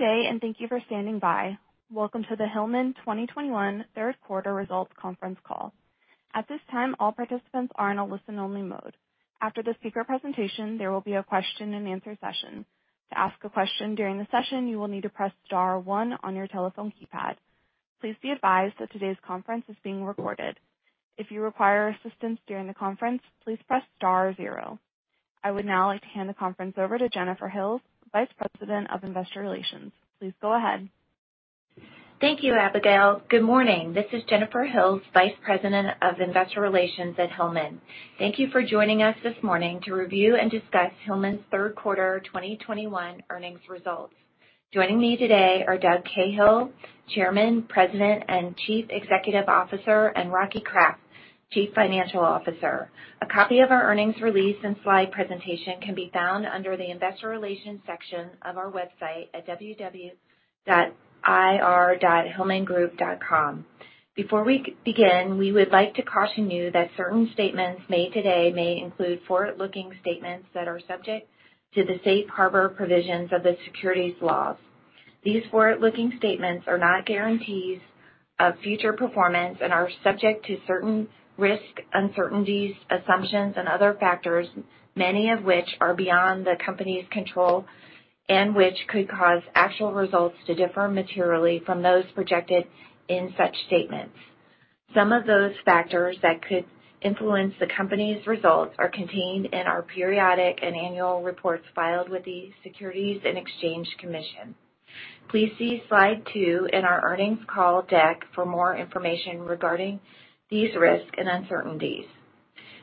Good day, and thank you for standing by. Welcome to the Hillman 2021 third quarter results conference call. At this time, all participants are in a listen-only mode. After the speaker presentation, there will be a question-and-answer session. To ask a question during the session, you will need to press star one on your telephone keypad. Please be advised that today's conference is being recorded. If you require assistance during the conference, please press star zero. I would now like to hand the conference over to Jennifer Hills, Vice President of Investor Relations. Please go ahead. Thank you, Abigail. Good morning. This is Jennifer Hills, Vice President of Investor Relations at Hillman. Thank you for joining us this morning to review and discuss Hillman's third quarter 2021 earnings results. Joining me today are Doug Cahill, Chairman, President, and Chief Executive Officer, and Rocky Kraft, Chief Financial Officer. A copy of our earnings release and slide presentation can be found under the Investor Relations section of our website at ir.hillmangroup.com. Before we begin, we would like to caution you that certain statements made today may include forward-looking statements that are subject to the safe harbor provisions of the securities laws. These forward-looking statements are not guarantees of future performance and are subject to certain risks, uncertainties, assumptions, and other factors, many of which are beyond the company's control and which could cause actual results to differ materially from those projected in such statements. Some of those factors that could influence the company's results are contained in our periodic and annual reports filed with the Securities and Exchange Commission. Please see slide two in our earnings call deck for more information regarding these risks and uncertainties.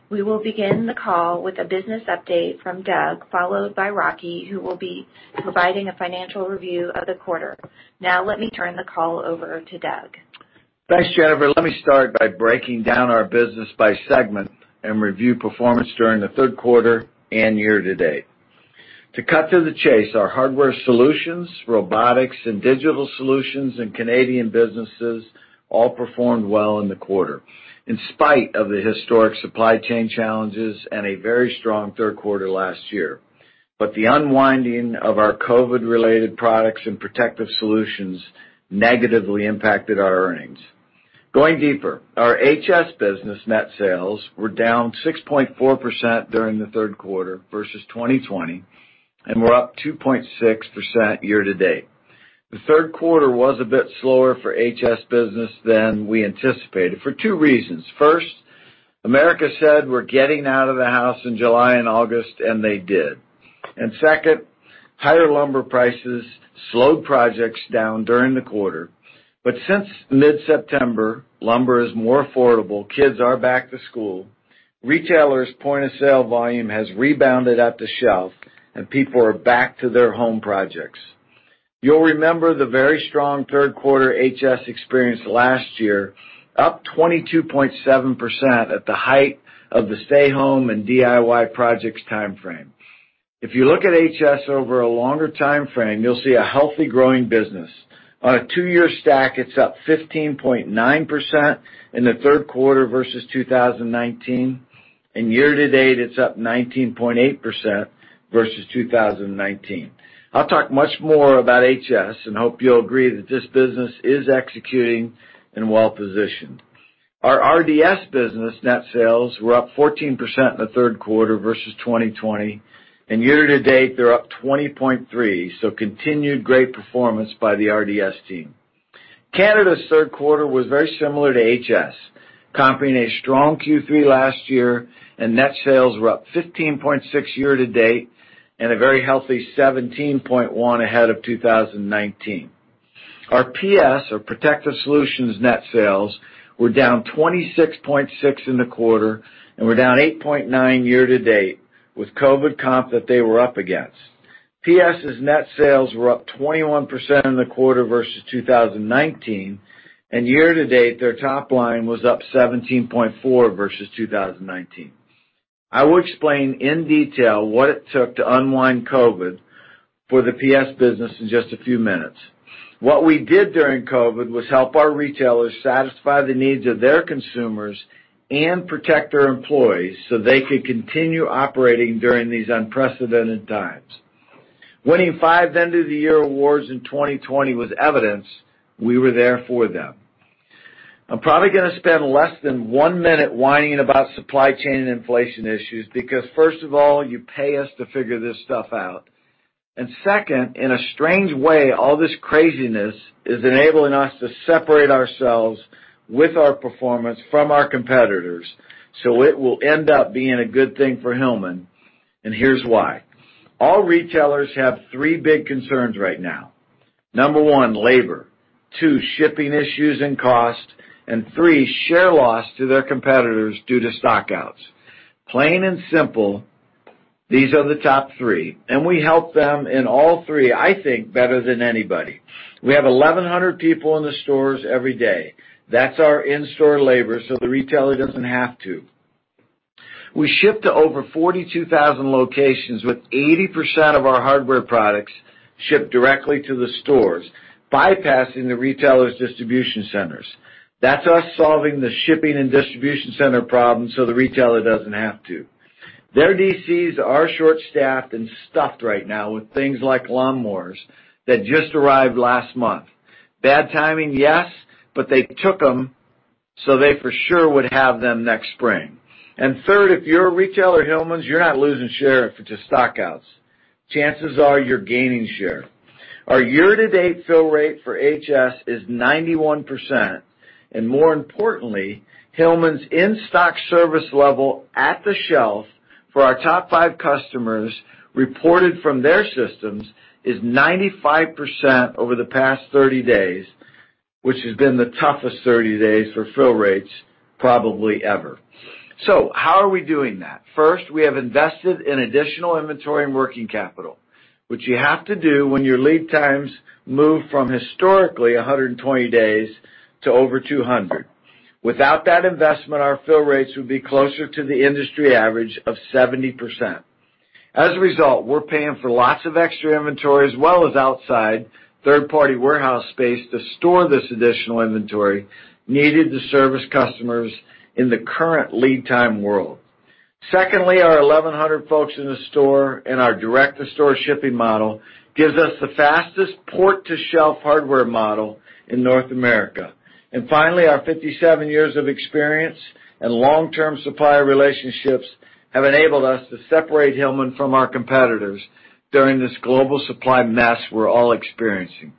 We will begin the call with a business update from Doug, followed by Rocky, who will be providing a financial review of the quarter. Now let me turn the call over to Doug. Thanks, Jennifer. Let me start by breaking down our business by segment and review performance during the third quarter and year to date. To cut to the chase, our Hardware Solutions, Robotics and Digital Solutions, and Canadian businesses all performed well in the quarter in spite of the historic supply chain challenges and a very strong third quarter last year. The unwinding of our COVID-related products and Protective Solutions negatively impacted our earnings. Going deeper, our HS business net sales were down 6.4% during the third quarter versus 2020 and were up 2.6% year to date. The third quarter was a bit slower for HS business than we anticipated for two reasons. First, America said we're getting out of the house in July and August, and they did. Second, higher lumber prices slowed projects down during the quarter. Since mid-September, lumber is more affordable, kids are back to school, retailers' point-of-sale volume has rebounded at the shelf, and people are back to their home projects. You'll remember the very strong third quarter HS experience last year, up 22.7% at the height of the stay home and DIY projects timeframe. If you look at HS over a longer timeframe, you'll see a healthy growing business. On a two-year stack, it's up 15.9% in the third quarter versus 2019, and year to date, it's up 19.8% versus 2019. I'll talk much more about HS and hope you'll agree that this business is executing and well-positioned. Our RDS business net sales were up 14% in the third quarter versus 2020, and year to date, they're up 20.3%, so continued great performance by the RDS team. Canada's third quarter was very similar to HS, comparing a strong Q3 last year, and net sales were up 15.6% year to date and a very healthy 17.1% ahead of 2019. Our PS, or Protective Solutions net sales, were down 26.6% in the quarter and were down 8.9% year to date with COVID comp that they were up against. PS's net sales were up 21% in the quarter versus 2019, and year to date, their top line was up 17.4% versus 2019. I will explain in detail what it took to unwind COVID for the PS business in just a few minutes. What we did during COVID was help our retailers satisfy the needs of their consumers and protect their employees, so they could continue operating during these unprecedented times. Winning five Vendor-of-the-Year awards in 2020 was evidence we were there for them. I'm probably gonna spend less than one minute whining about supply chain and inflation issues because first of all, you pay us to figure this stuff out. Second, in a strange way, all this craziness is enabling us to separate ourselves with our performance from our competitors, so it will end up being a good thing for Hillman, and here's why. All retailers have three big concerns right now. Number one, labor, two, shipping issues and cost, and three, share loss to their competitors due to stockouts. Plain and simple, these are the top three, and we help them in all three, I think, better than anybody. We have 1,100 people in the stores every day. That's our in-store labor, so the retailer doesn't have to. We ship to over 42,000 locations, with 80% of our hardware products shipped directly to the stores, bypassing the retailers' distribution centers. That's us solving the shipping and distribution center problem, so the retailer doesn't have to. Their DCs are short-staffed and stuffed right now with things like lawnmowers that just arrived last month. Bad timing, yes, but they took them so they for sure would have them next spring. Third, if you're a retailer at Hillman, you're not losing share if it's just stock-outs. Chances are you're gaining share. Our year-to-date fill rate for HS is 91%. More importantly, Hillman's in-stock service level at the shelf for our top five customers reported from their systems is 95% over the past 30 days, which has been the toughest 30 days for fill rates probably ever. How are we doing that? First, we have invested in additional inventory and working capital, which you have to do when your lead times move from historically 120 days to over 200. Without that investment, our fill rates would be closer to the industry average of 70%. As a result, we're paying for lots of extra inventory as well as outside third-party warehouse space to store this additional inventory needed to service customers in the current lead time world. Secondly, our 1,100 folks in the store and our direct-to-store shipping model gives us the fastest port-to-shelf hardware model in North America. Finally, our 57 years of experience and long-term supplier relationships have enabled us to separate Hillman from our competitors during this global supply mess we're all experiencing.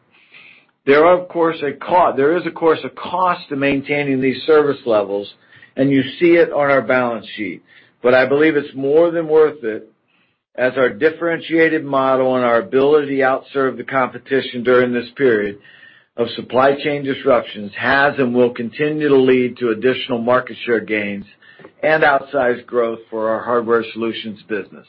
There is, of course, a cost to maintaining these service levels, and you see it on our balance sheet. I believe it's more than worth it as our differentiated model and our ability to outserve the competition during this period of supply chain disruptions has and will continue to lead to additional market share gains and outsized growth for our Hardware Solutions business.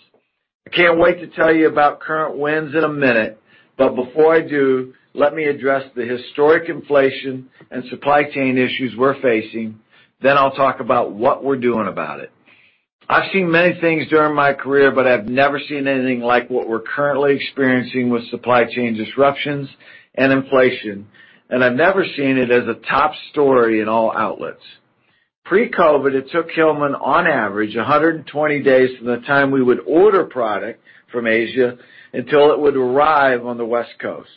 I can't wait to tell you about current wins in a minute, but before I do, let me address the historic inflation and supply chain issues we're facing, then I'll talk about what we're doing about it. I've seen many things during my career, but I've never seen anything like what we're currently experiencing with supply chain disruptions and inflation, and I've never seen it as a top story in all outlets. Pre-COVID, it took Hillman on average 120 days from the time we would order product from Asia until it would arrive on the West Coast.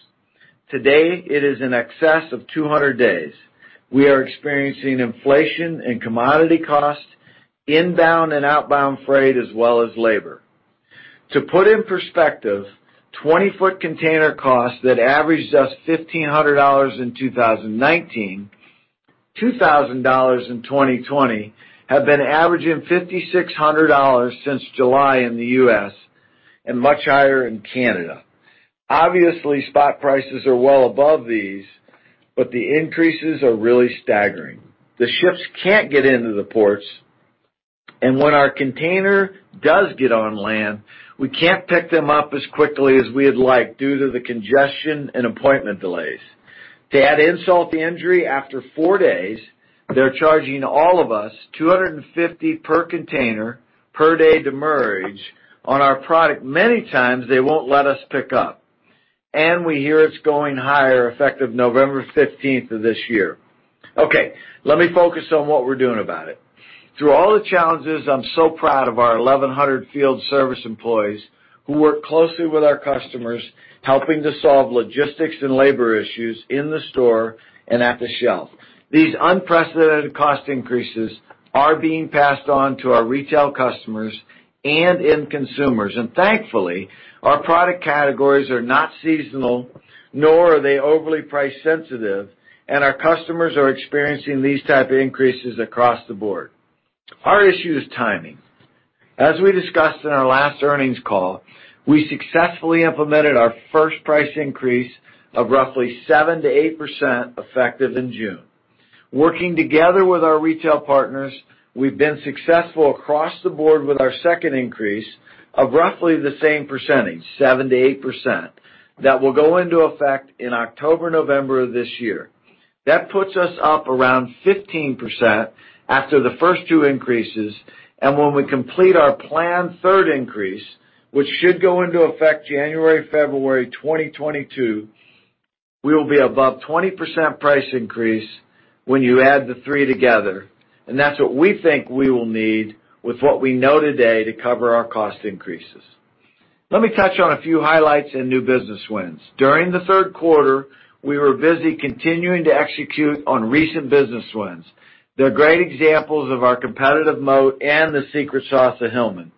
Today, it is in excess of 200 days. We are experiencing inflation in commodity costs, inbound and outbound freight, as well as labor. To put in perspective, twenty-foot container costs that averaged us $1,500 in 2019, $2,000 in 2020, have been averaging $5,600 since July in the U.S. and much higher in Canada. Obviously, spot prices are well above these, but the increases are really staggering. The ships can't get into the ports, and when our container does get on land, we can't pick them up as quickly as we would like due to the congestion and appointment delays. To add insult to injury, after four days, they're charging all of us $250 per container per day demurrage on our product, many times they won't let us pick up. We hear it's going higher effective November 15th of this year. Okay, let me focus on what we're doing about it. Through all the challenges, I'm so proud of our 1,100 field service employees who work closely with our customers, helping to solve logistics and labor issues in the store and at the shelf. These unprecedented cost increases are being passed on to our retail customers and end consumers. Thankfully, our product categories are not seasonal, nor are they overly price-sensitive, and our customers are experiencing these type of increases across the board. Our issue is timing. As we discussed in our last earnings call, we successfully implemented our first price increase of roughly 7%-8% effective in June. Working together with our retail partners, we've been successful across the board with our second increase of roughly the same percentage, 7%-8%. That will go into effect in October, November of this year. That puts us up around 15% after the first two increases, and when we complete our planned third increase, which should go into effect January, February 2022, we will be above 20% price increase when you add the three together. That's what we think we will need with what we know today to cover our cost increases. Let me touch on a few highlights and new business wins. During the third quarter, we were busy continuing to execute on recent business wins. They're great examples of our competitive moat and the secret sauce of Hillman.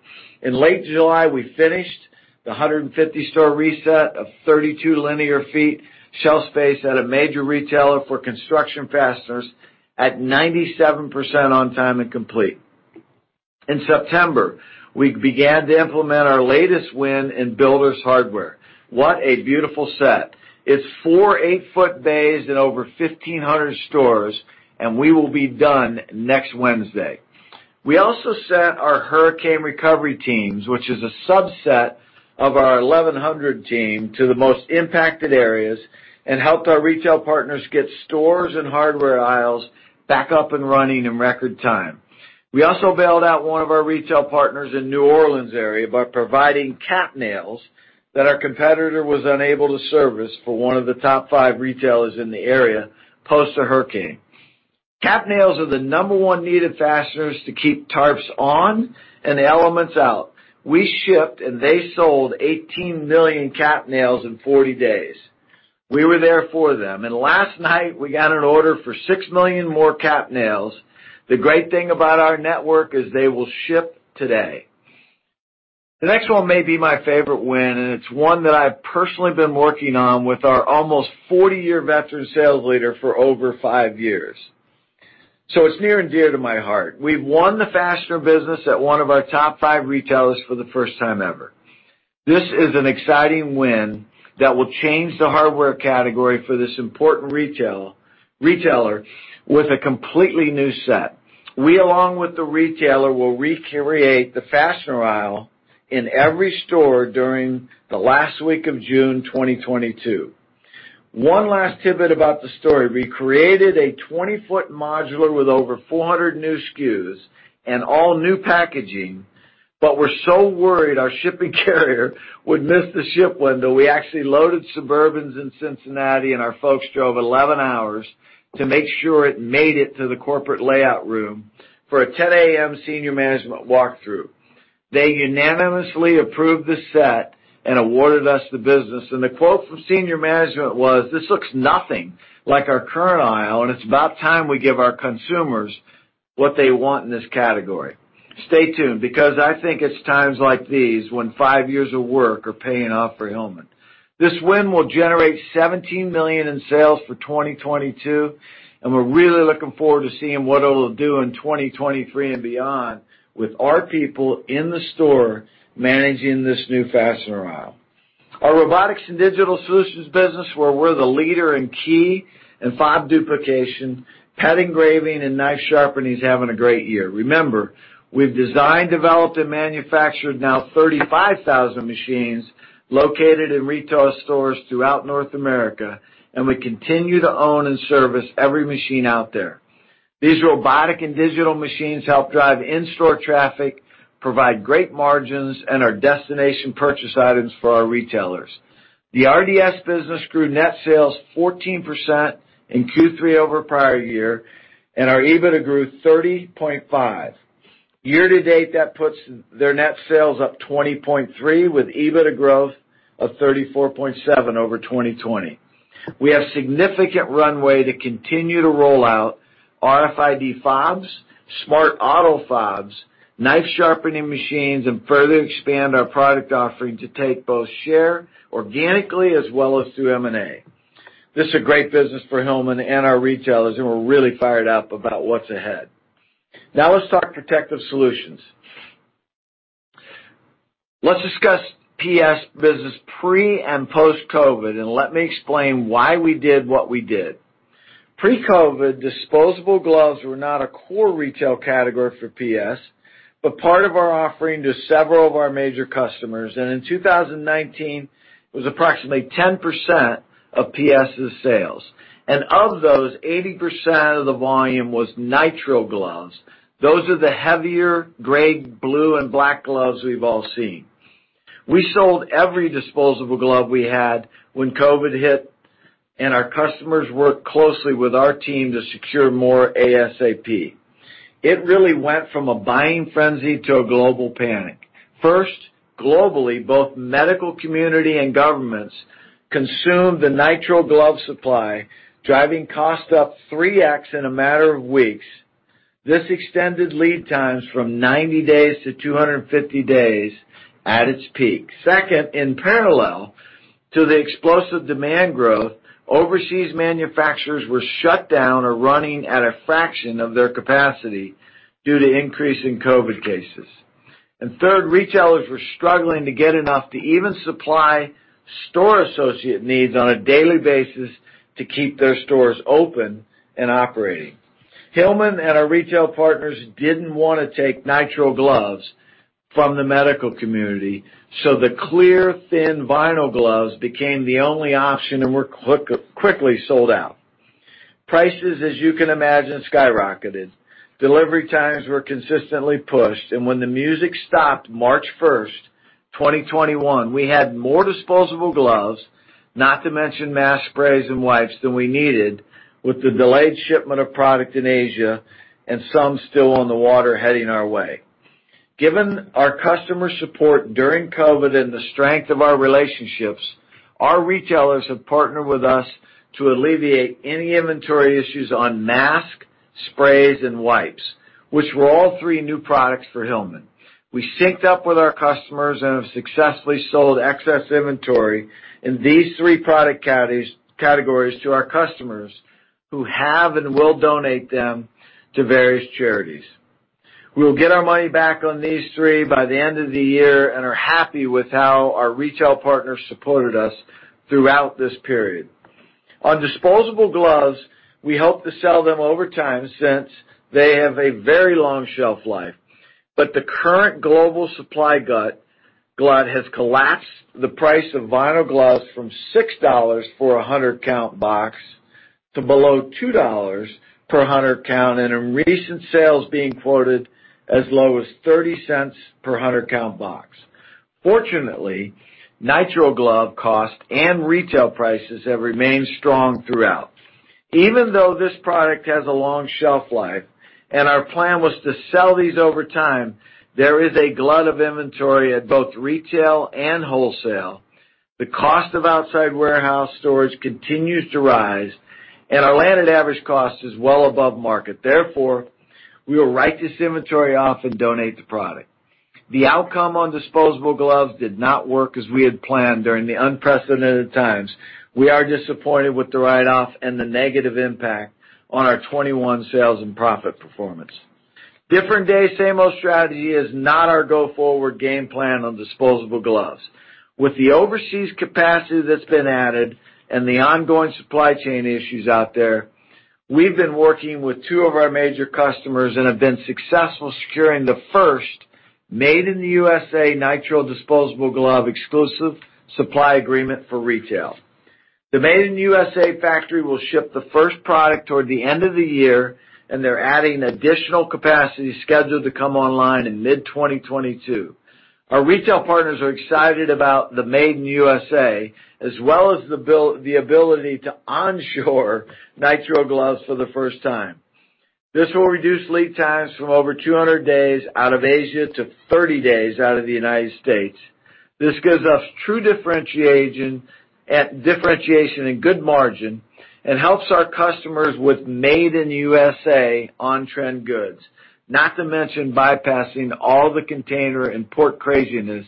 In late July, we finished the 150 store reset of 32 linear feet shelf space at a major retailer for construction fasteners at 97% on time and complete. In September, we began to implement our latest win in builders' hardware. What a beautiful set. It's four 8-foot bays in over 1,500 stores, and we will be done next Wednesday. We also sent our hurricane recovery teams, which is a subset of our 1,100 team, to the most impacted areas and helped our retail partners get stores and hardware aisles back up and running in record time. We also bailed out one of our retail partners in the New Orleans area by providing cap nails that our competitor was unable to service for one of the top five retailers in the area post the hurricane. Cap nails are the number one needed fasteners to keep tarps on and the elements out. We shipped and they sold 18 million cap nails in 40 days. We were there for them, and last night we got an order for 6 million more cap nails. The great thing about our network is they will ship today. The next one may be my favorite win, and it's one that I've personally been working on with our almost 40-year veteran sales leader for over 5 years. It's near and dear to my heart. We've won the fastener business at one of our top five retailers for the first time ever. This is an exciting win that will change the hardware category for this important retailer with a completely new set. We, along with the retailer, will recreate the fastener aisle in every store during the last week of June 2022. One last tidbit about the story: we created a 20-foot modular with over 400 new SKUs and all new packaging, but we're so worried our shipping carrier would miss the ship window, we actually loaded Suburbans in Cincinnati, and our folks drove 11 hours to make sure it made it to the corporate layout room for a 10:00 A.M. senior management walkthrough. They unanimously approved the set and awarded us the business. The quote from senior management was, "This looks nothing like our current aisle, and it's about time we give our consumers what they want in this category." Stay tuned, because I think it's times like these when 5 years of work are paying off for Hillman. This win will generate $17 million in sales for 2022, and we're really looking forward to seeing what it'll do in 2023 and beyond with our people in the store managing this new fastener aisle. Our Robotics and Digital Solutions business, where we're the leader in key and fob duplication, pet engraving, and knife sharpening is having a great year. Remember, we've designed, developed, and manufactured now 35,000 machines located in retail stores throughout North America, and we continue to own and service every machine out there. These robotic and digital machines help drive in-store traffic, provide great margins, and are destination purchase items for our retailers. The RDS business grew net sales 14% in Q3 over prior year, and our EBITDA grew 30.5%. Year to date, that puts their net sales up 20.3% with EBITDA growth of 34.7% over 2020. We have significant runway to continue to roll out RFID fobs, Smart AutoFobs, knife sharpening machines, and further expand our product offering to take both share organically as well as through M&A. This is a great business for Hillman and our retailers, and we're really fired up about what's ahead. Now let's talk Protective Solutions. Let's discuss PS business pre- and post-COVID, and let me explain why we did what we did. Pre-COVID, disposable gloves were not a core retail category for PS, but part of our offering to several of our major customers. In 2019, it was approximately 10% of PS's sales. Of those, 80% of the volume was nitrile gloves. Those are the heavier gray, blue, and black gloves we've all seen. We sold every disposable glove we had when COVID hit, and our customers worked closely with our team to secure more ASAP. It really went from a buying frenzy to a global panic. First, globally, both medical community and governments consumed the nitrile glove supply, driving costs up 3x in a matter of weeks. This extended lead times from 90 days to 250 days at its peak. Second, in parallel to the explosive demand growth, overseas manufacturers were shut down or running at a fraction of their capacity due to increase in COVID cases. Third, retailers were struggling to get enough to even supply store associate needs on a daily basis to keep their stores open and operating. Hillman and our retail partners didn't wanna take nitrile gloves from the medical community, so the clear thin vinyl gloves became the only option and were quickly sold out. Prices, as you can imagine, skyrocketed. Delivery times were consistently pushed, and when the music stopped March first, 2021, we had more disposable gloves, not to mention mask sprays and wipes than we needed with the delayed shipment of product in Asia and some still on the water heading our way. Given our customer support during COVID and the strength of our relationships, our retailers have partnered with us to alleviate any inventory issues on masks, sprays, and wipes, which were all three new products for Hillman. We synced up with our customers and have successfully sold excess inventory in these three product categories to our customers who have and will donate them to various charities. We will get our money back on these three by the end of the year and are happy with how our retail partners supported us throughout this period. On disposable gloves, we hope to sell them over time since they have a very long shelf life. The current global supply glut has collapsed the price of vinyl gloves from $6 for a 100-count box to below $2 per 100-count, and in recent sales being quoted as low as $0.30 per 100-count box. Fortunately, nitrile glove cost and retail prices have remained strong throughout. Even though this product has a long shelf life and our plan was to sell these over time, there is a glut of inventory at both retail and wholesale. The cost of outside warehouse storage continues to rise, and our landed average cost is well above market. Therefore, we will write this inventory off and donate the product. The outcome on disposable gloves did not work as we had planned during the unprecedented times. We are disappointed with the write-off and the negative impact on our 2021 sales and profit performance. Different day, same old strategy is not our go-forward game plan on disposable gloves. With the overseas capacity that's been added and the ongoing supply chain issues out there, we've been working with two of our major customers and have been successful securing the first made in the U.S.A. nitrile disposable glove exclusive supply agreement for retail. The made in U.S.A. factory will ship the first product toward the end of the year, and they're adding additional capacity scheduled to come online in mid-2022. Our retail partners are excited about the made in U.S.A. as well as the ability to onshore nitrile gloves for the first time. This will reduce lead times from over 200 days out of Asia to 30 days out of the United States. This gives us true differentiation and good margin and helps our customers with made in U.S.A. on-trend goods. Not to mention bypassing all the container and port craziness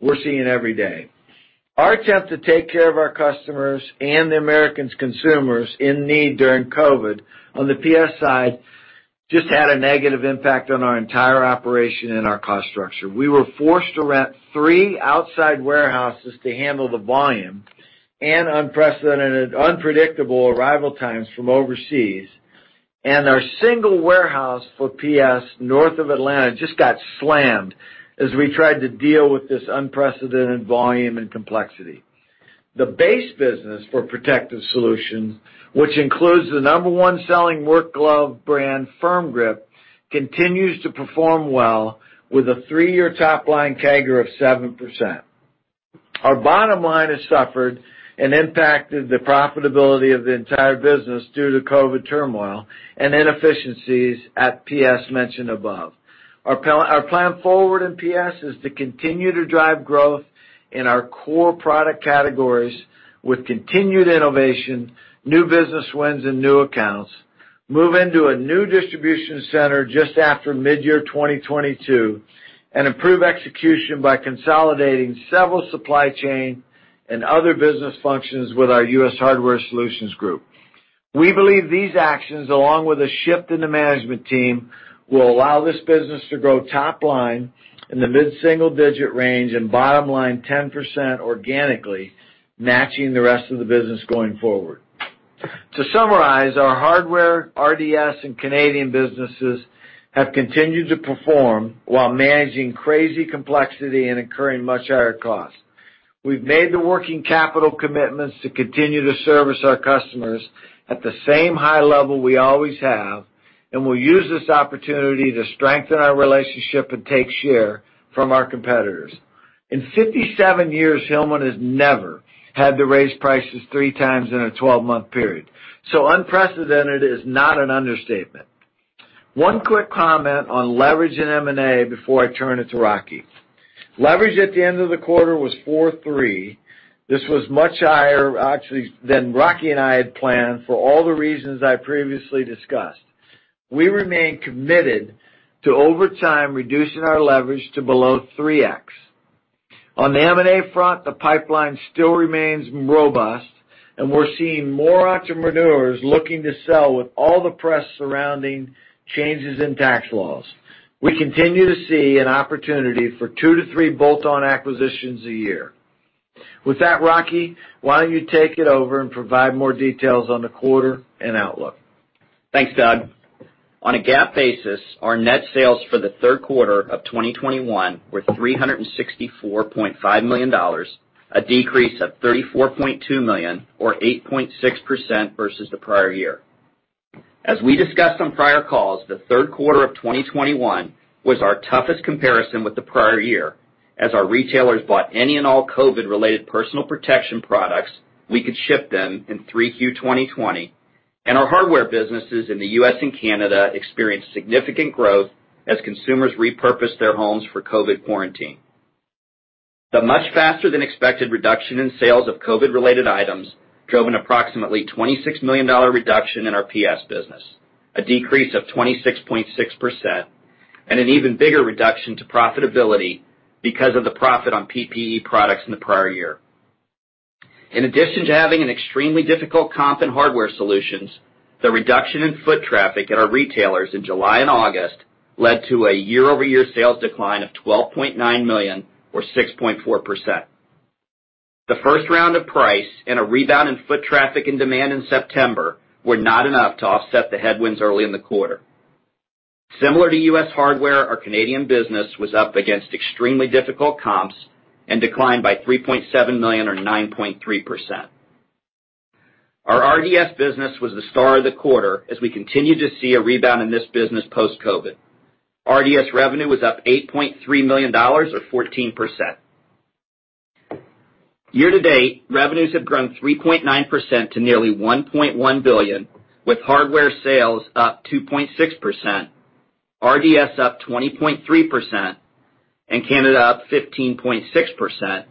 we're seeing every day. Our attempt to take care of our customers and the American consumers in need during COVID on the PS side just had a negative impact on our entire operation and our cost structure. We were forced to rent three outside warehouses to handle the volume and unprecedented unpredictable arrival times from overseas. Our single warehouse for PS, north of Atlanta, just got slammed as we tried to deal with this unprecedented volume and complexity. The base business for Protective Solutions, which includes the number one selling work glove brand, Firm Grip, continues to perform well with a three-year top-line CAGR of 7%. Our bottom line has suffered and impacted the profitability of the entire business due to COVID turmoil and inefficiencies at PS mentioned above. Our plan forward in PS is to continue to drive growth in our core product categories with continued innovation, new business wins, and new accounts, move into a new distribution center just after mid-year 2022, and improve execution by consolidating several supply chain and other business functions with our U.S. Hardware Solutions group. We believe these actions, along with a shift in the management team, will allow this business to grow top line in the mid-single-digit range and bottom line 10% organically, matching the rest of the business going forward. To summarize, our hardware, RDS, and Canadian businesses have continued to perform while managing crazy complexity and incurring much higher costs. We've made the working capital commitments to continue to service our customers at the same high level we always have, and we'll use this opportunity to strengthen our relationship and take share from our competitors. In 57 years, Hillman has never had to raise prices 3x in a 12-month period, so unprecedented is not an understatement. One quick comment on leverage in M&A before I turn it to Rocky. Leverage at the end of the quarter was 4.3. This was much higher, actually, than Rocky and I had planned for all the reasons I previously discussed. We remain committed to, over time, reducing our leverage to below 3x. On the M&A front, the pipeline still remains robust, and we're seeing more entrepreneurs looking to sell with all the press surrounding changes in tax laws. We continue to see an opportunity for 2-3 bolt-on acquisitions a year. With that, Rocky, why don't you take it over and provide more details on the quarter and outlook? Thanks, Doug. On a GAAP basis, our net sales for the third quarter of 2021 were $364.5 million, a decrease of $34.2 million or 8.6% versus the prior year. As we discussed on prior calls, the third quarter of 2021 was our toughest comparison with the prior year, as our retailers bought any and all COVID-related personal protection products we could ship them in Q3 2020, and our hardware businesses in the U.S. and Canada experienced significant growth as consumers repurposed their homes for COVID quarantine. The much faster than expected reduction in sales of COVID-related items drove an approximately $26 million reduction in our PS business, a decrease of 26.6% and an even bigger reduction to profitability because of the profit on PPE products in the prior year. In addition to having an extremely difficult comp in Hardware Solutions, the reduction in foot traffic at our retailers in July and August led to a year-over-year sales decline of $12.9 million or 6.4%. The first round of price and a rebound in foot traffic and demand in September were not enough to offset the headwinds early in the quarter. Similar to U.S. hardware, our Canadian business was up against extremely difficult comps and declined by $3.7 million or 9.3%. Our RDS business was the star of the quarter as we continue to see a rebound in this business post-COVID. RDS revenue was up $8.3 million or 14%. Year to date, revenues have grown 3.9% to nearly $1.1 billion, with hardware sales up 2.6%, RDS up 20.3%, and Canada up 15.6%,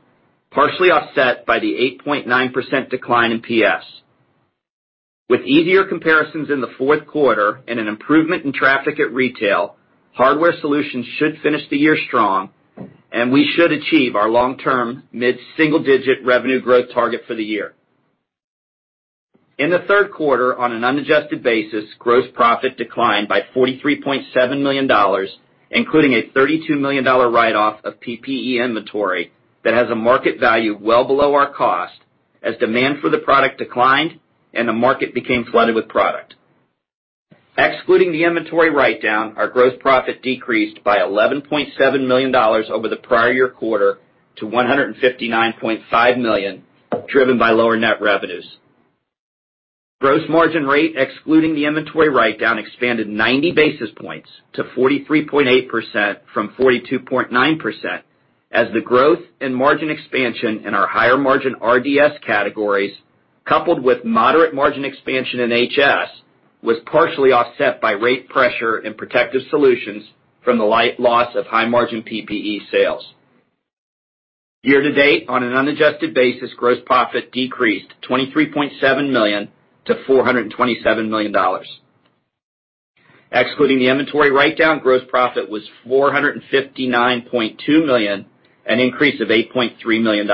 partially offset by the 8.9% decline in PS. With easier comparisons in the fourth quarter and an improvement in traffic at retail, Hardware Solutions should finish the year strong, and we should achieve our long-term mid-single-digit revenue growth target for the year. In the third quarter, on an unadjusted basis, gross profit declined by $43.7 million, including a $32 million write-off of PPE inventory that has a market value well below our cost as demand for the product declined and the market became flooded with product. Excluding the inventory write-down, our gross profit decreased by $11.7 million over the prior year quarter to $159.5 million, driven by lower net revenues. Gross margin rate, excluding the inventory write-down, expanded 90 basis points to 43.8% from 42.9%, as the growth and margin expansion in our higher-margin RDS categories, coupled with moderate margin expansion in HS, was partially offset by rate pressure in Protective Solutions from the slight loss of high-margin PPE sales. Year to date, on an unadjusted basis, gross profit decreased $23.7 million-$427 million. Excluding the inventory write-down, gross profit was $459.2 million, an increase of $8.3 million.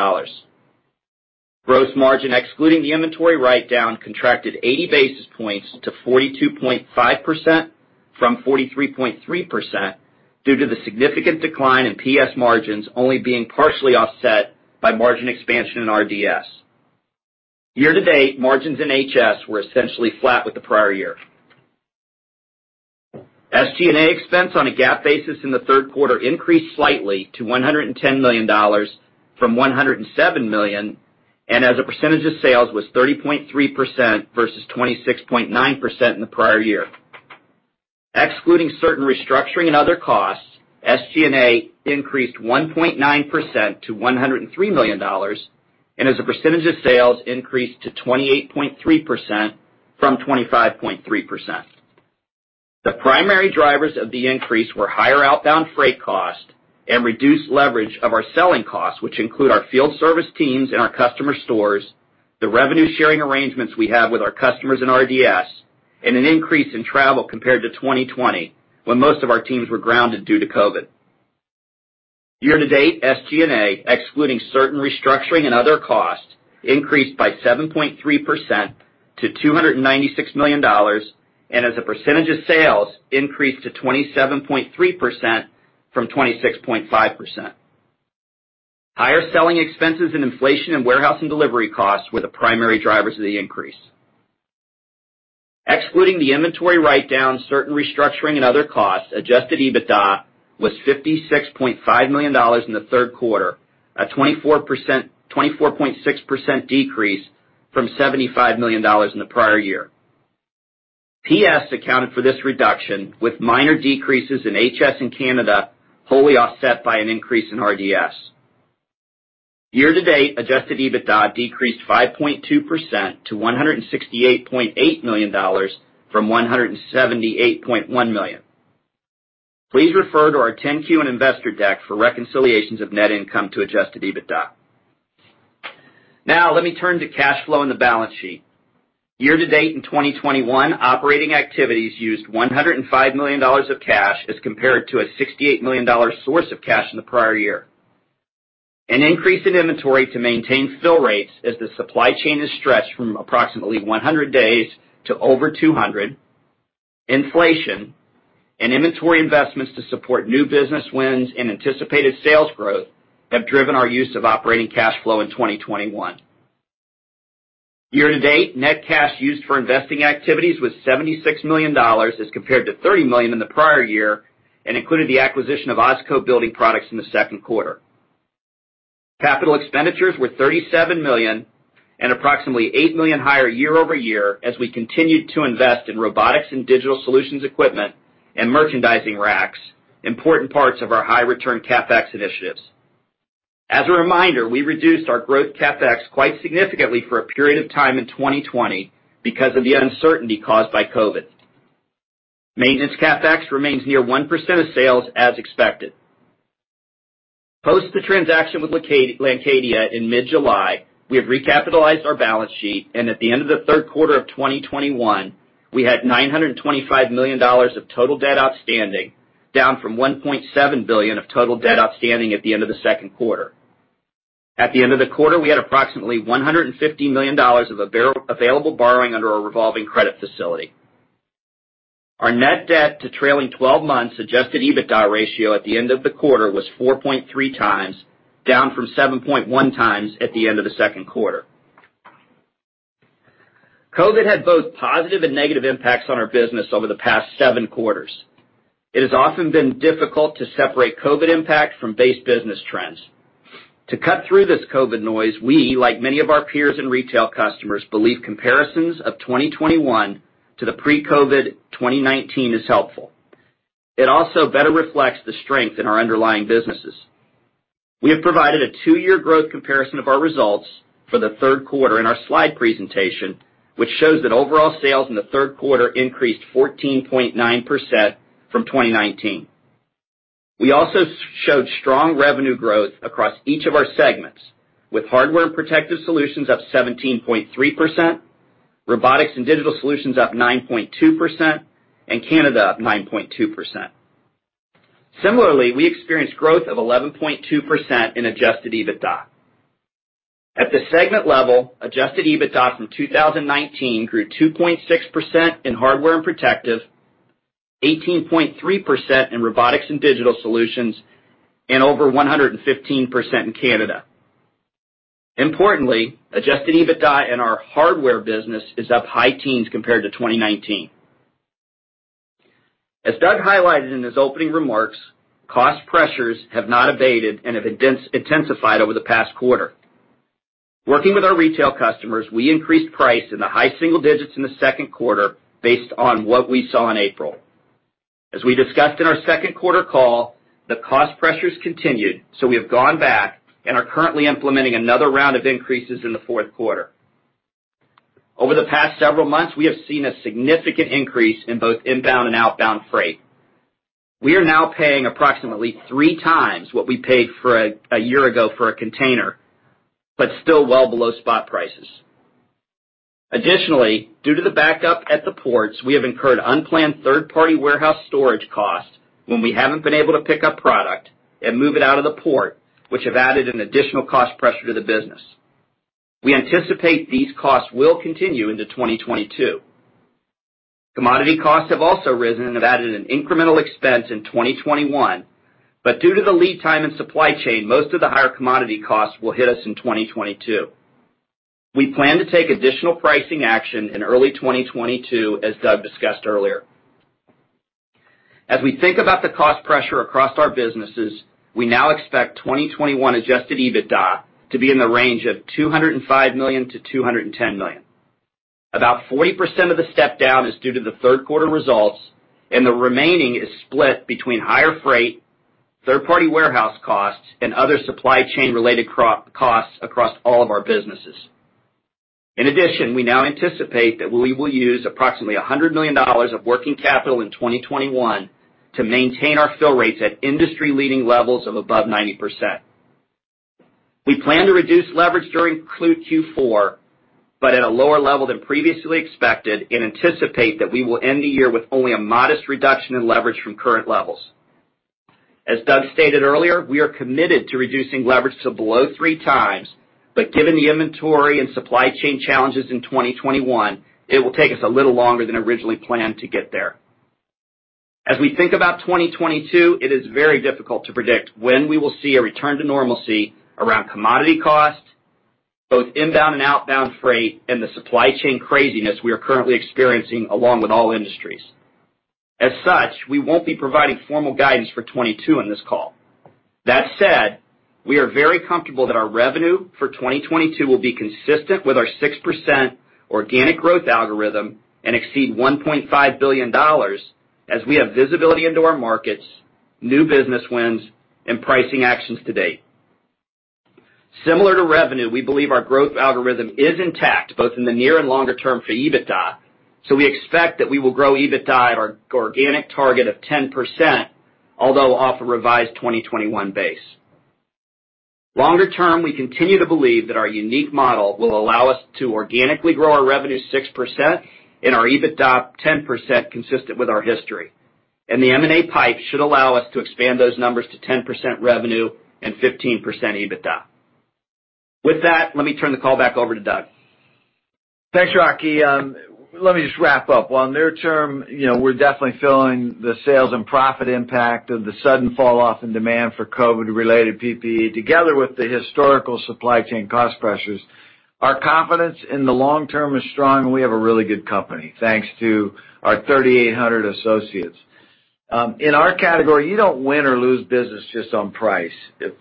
Gross margin, excluding the inventory write-down, contracted 80 basis points to 42.5% from 43.3% due to the significant decline in PS margins only being partially offset by margin expansion in RDS. Year to date, margins in HS were essentially flat with the prior year. SG&A expense on a GAAP basis in the third quarter increased slightly to $110 million from $107 million, and as a percentage of sales was 30.3% versus 26.9% in the prior year. Excluding certain restructuring and other costs, SG&A increased 1.9% to $103 million, and as a percentage of sales increased to 28.3% from 25.3%. The primary drivers of the increase were higher outbound freight cost and reduced leverage of our selling costs, which include our field service teams in our customer stores, the revenue-sharing arrangements we have with our customers in RDS, and an increase in travel compared to 2020, when most of our teams were grounded due to COVID. Year to date, SG&A, excluding certain restructuring and other costs, increased by 7.3% to $296 million, and as a percentage of sales, increased to 27.3% from 26.5%. Higher selling expenses and inflation in warehouse and delivery costs were the primary drivers of the increase. Excluding the inventory write-down, certain restructuring and other costs, adjusted EBITDA was $56.5 million in the third quarter, a 24.6% decrease from $75 million in the prior year. PS accounted for this reduction, with minor decreases in HS in Canada, wholly offset by an increase in RDS. Year to date, adjusted EBITDA decreased 5.2% to $168.8 million from $178.1 million. Please refer to our 10-Q and investor deck for reconciliations of net income to adjusted EBITDA. Now let me turn to cash flow in the balance sheet. Year to date in 2021, operating activities used $105 million of cash as compared to a $68 million source of cash in the prior year. An increase in inventory to maintain fill rates as the supply chain is stretched from approximately 100 days to over 200, inflation, and inventory investments to support new business wins and anticipated sales growth have driven our use of operating cash flow in 2021. Year to date, net cash used for investing activities was $76 million as compared to $30 million in the prior year, and included the acquisition of OZCO Building Products in the second quarter. Capital expenditures were $37 million and approximately $8 million higher year-over-year as we continued to invest in Robotics and Digital Solutions equipment and merchandising racks, important parts of our high return CapEx initiatives. As a reminder, we reduced our growth CapEx quite significantly for a period of time in 2020 because of the uncertainty caused by COVID. Maintenance CapEx remains near 1% of sales as expected. Post the transaction with Landcadia in mid-July, we have recapitalized our balance sheet and at the end of the third quarter of 2021, we had $925 million of total debt outstanding, down from $1.7 billion of total debt outstanding at the end of the second quarter. At the end of the quarter, we had approximately $150 million of available borrowing under our revolving credit facility. Our net debt to trailing twelve months adjusted EBITDA ratio at the end of the quarter was 4.3x, down from 7.1x at the end of the second quarter. COVID had both positive and negative impacts on our business over the past seven quarters. It has often been difficult to separate COVID impact from base business trends. To cut through this COVID noise, we, like many of our peers and retail customers, believe comparisons of 2021 to the pre-COVID 2019 is helpful. It also better reflects the strength in our underlying businesses. We have provided a two-year growth comparison of our results for the third quarter in our slide presentation, which shows that overall sales in the third quarter increased 14.9% from 2019. We also showed strong revenue growth across each of our segments, with Hardware and Protective Solutions up 17.3%, Robotics and Digital Solutions up 9.2%, and Canada up 9.2%. Similarly, we experienced growth of 11.2% in adjusted EBITDA. At the segment level, adjusted EBITDA from 2019 grew 2.6% in Hardware and Protective Solutions, 18.3% in Robotics and Digital Solutions, and over 115% in Canada. Importantly, adjusted EBITDA in our hardware business is up high teens compared to 2019. As Doug highlighted in his opening remarks, cost pressures have not abated and have intensified over the past quarter. Working with our retail customers, we increased price in the high single digits in the second quarter based on what we saw in April. As we discussed in our second quarter call, the cost pressures continued, so we have gone back and are currently implementing another round of increases in the fourth quarter. Over the past several months, we have seen a significant increase in both inbound and outbound freight. We are now paying approximately 3x what we paid for a container a year ago, but still well below spot prices. Additionally, due to the backup at the ports, we have incurred unplanned third-party warehouse storage costs when we haven't been able to pick up product and move it out of the port, which have added an additional cost pressure to the business. We anticipate these costs will continue into 2022. Commodity costs have also risen and have added an incremental expense in 2021, but due to the lead time in supply chain, most of the higher commodity costs will hit us in 2022. We plan to take additional pricing action in early 2022, as Doug discussed earlier. As we think about the cost pressure across our businesses, we now expect 2021 adjusted EBITDA to be in the range of $205 million-$210 million. About 40% of the step down is due to the third quarter results, and the remaining is split between higher freight, third-party warehouse costs, and other supply chain-related costs across all of our businesses. In addition, we now anticipate that we will use approximately $100 million of working capital in 2021 to maintain our fill rates at industry-leading levels of above 90%. We plan to reduce leverage during Q4, but at a lower level than previously expected and anticipate that we will end the year with only a modest reduction in leverage from current levels. As Doug stated earlier, we are committed to reducing leverage to below 3x, but given the inventory and supply chain challenges in 2021, it will take us a little longer than originally planned to get there. As we think about 2022, it is very difficult to predict when we will see a return to normalcy around commodity costs, both inbound and outbound freight, and the supply chain craziness we are currently experiencing along with all industries. As such, we won't be providing formal guidance for 2022 on this call. That said, we are very comfortable that our revenue for 2022 will be consistent with our 6% organic growth algorithm and exceed $1.5 billion, as we have visibility into our markets, new business wins, and pricing actions to date. Similar to revenue, we believe our growth algorithm is intact, both in the near and longer term for EBITDA, so we expect that we will grow EBITDA at our organic target of 10%, although off a revised 2021 base. Longer term, we continue to believe that our unique model will allow us to organically grow our revenue 6% and our EBITDA 10% consistent with our history. The M&A pipe should allow us to expand those numbers to 10% revenue and 15% EBITDA. With that, let me turn the call back over to Doug. Thanks, Rocky. Let me just wrap up. While near term, you know, we're definitely feeling the sales and profit impact of the sudden falloff in demand for COVID-related PPE, together with the historical supply chain cost pressures, our confidence in the long term is strong, and we have a really good company, thanks to our 3,800 associates. In our category, you don't win or lose business just on price.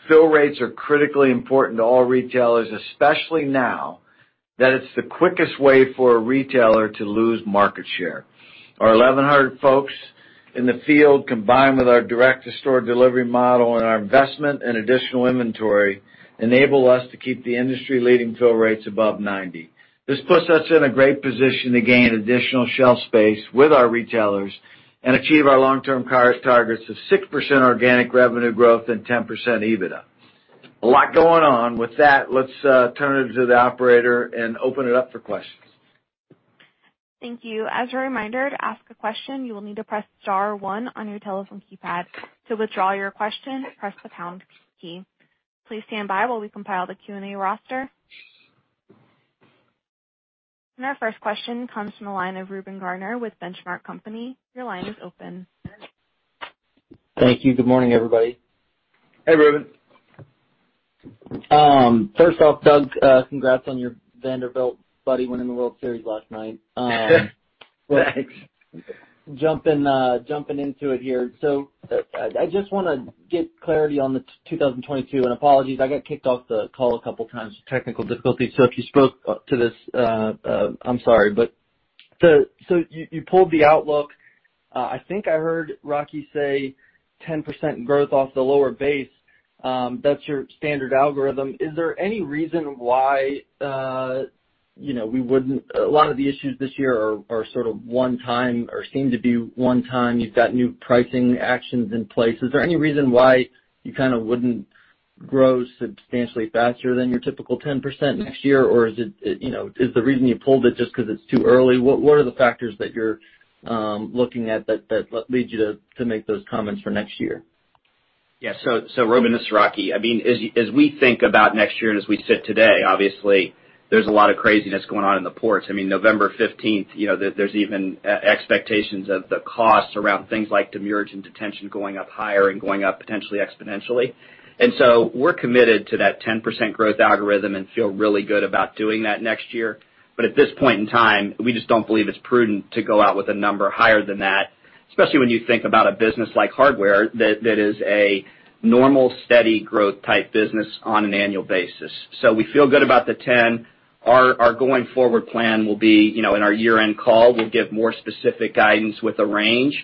Fill rates are critically important to all retailers, especially now, that it's the quickest way for a retailer to lose market share. Our 1,100 folks in the field, combined with our direct-to-store delivery model and our investment in additional inventory, enable us to keep the industry-leading fill rates above 90%. This puts us in a great position to gain additional shelf space with our retailers and achieve our long-term CAGR targets of 6% organic revenue growth and 10% EBITDA. A lot going on. With that, let's turn it to the operator and open it up for questions. Thank you. As a reminder, to ask a question, you will need to press star one on your telephone keypad. To withdraw your question, press the pound key. Please stand by while we compile the Q&A roster. Our first question comes from the line of Reuben Garner with Benchmark Company. Your line is open. Thank you. Good morning, everybody. Hey, Reuben. First off, Doug, congrats on your Vanderbilt buddy winning the World Series last night. Thanks. Jumping into it here. I just wanna get clarity on the 2022, and apologies, I got kicked off the call a couple times, technical difficulties, so if you spoke to this, I'm sorry. You pulled the outlook. I think I heard Rocky say 10% growth off the lower base, that's your standard algorithm. Is there any reason why you know we wouldn't, a lot of the issues this year are sort of one-time or seem to be one-time. You've got new pricing actions in place. Is there any reason why you kinda wouldn't grow substantially faster than your typical 10% next year? Or is it, you know, is the reason you pulled it just 'cause it's too early? What are the factors that you're looking at that leads you to make those comments for next year? Yeah. Reuben, this is Rocky. I mean, as we think about next year and as we sit today, obviously there's a lot of craziness going on in the ports. I mean, November 15, you know, there's even expectations of the costs around things like demurrage and detention going up higher and going up potentially exponentially. We're committed to that 10% growth algorithm and feel really good about doing that next year. At this point in time, we just don't believe it's prudent to go out with a number higher than that, especially when you think about a business like hardware, that is a normal, steady growth type business on an annual basis. We feel good about the 10%. Our going forward plan will be, you know, in our year-end call, we'll give more specific guidance with a range.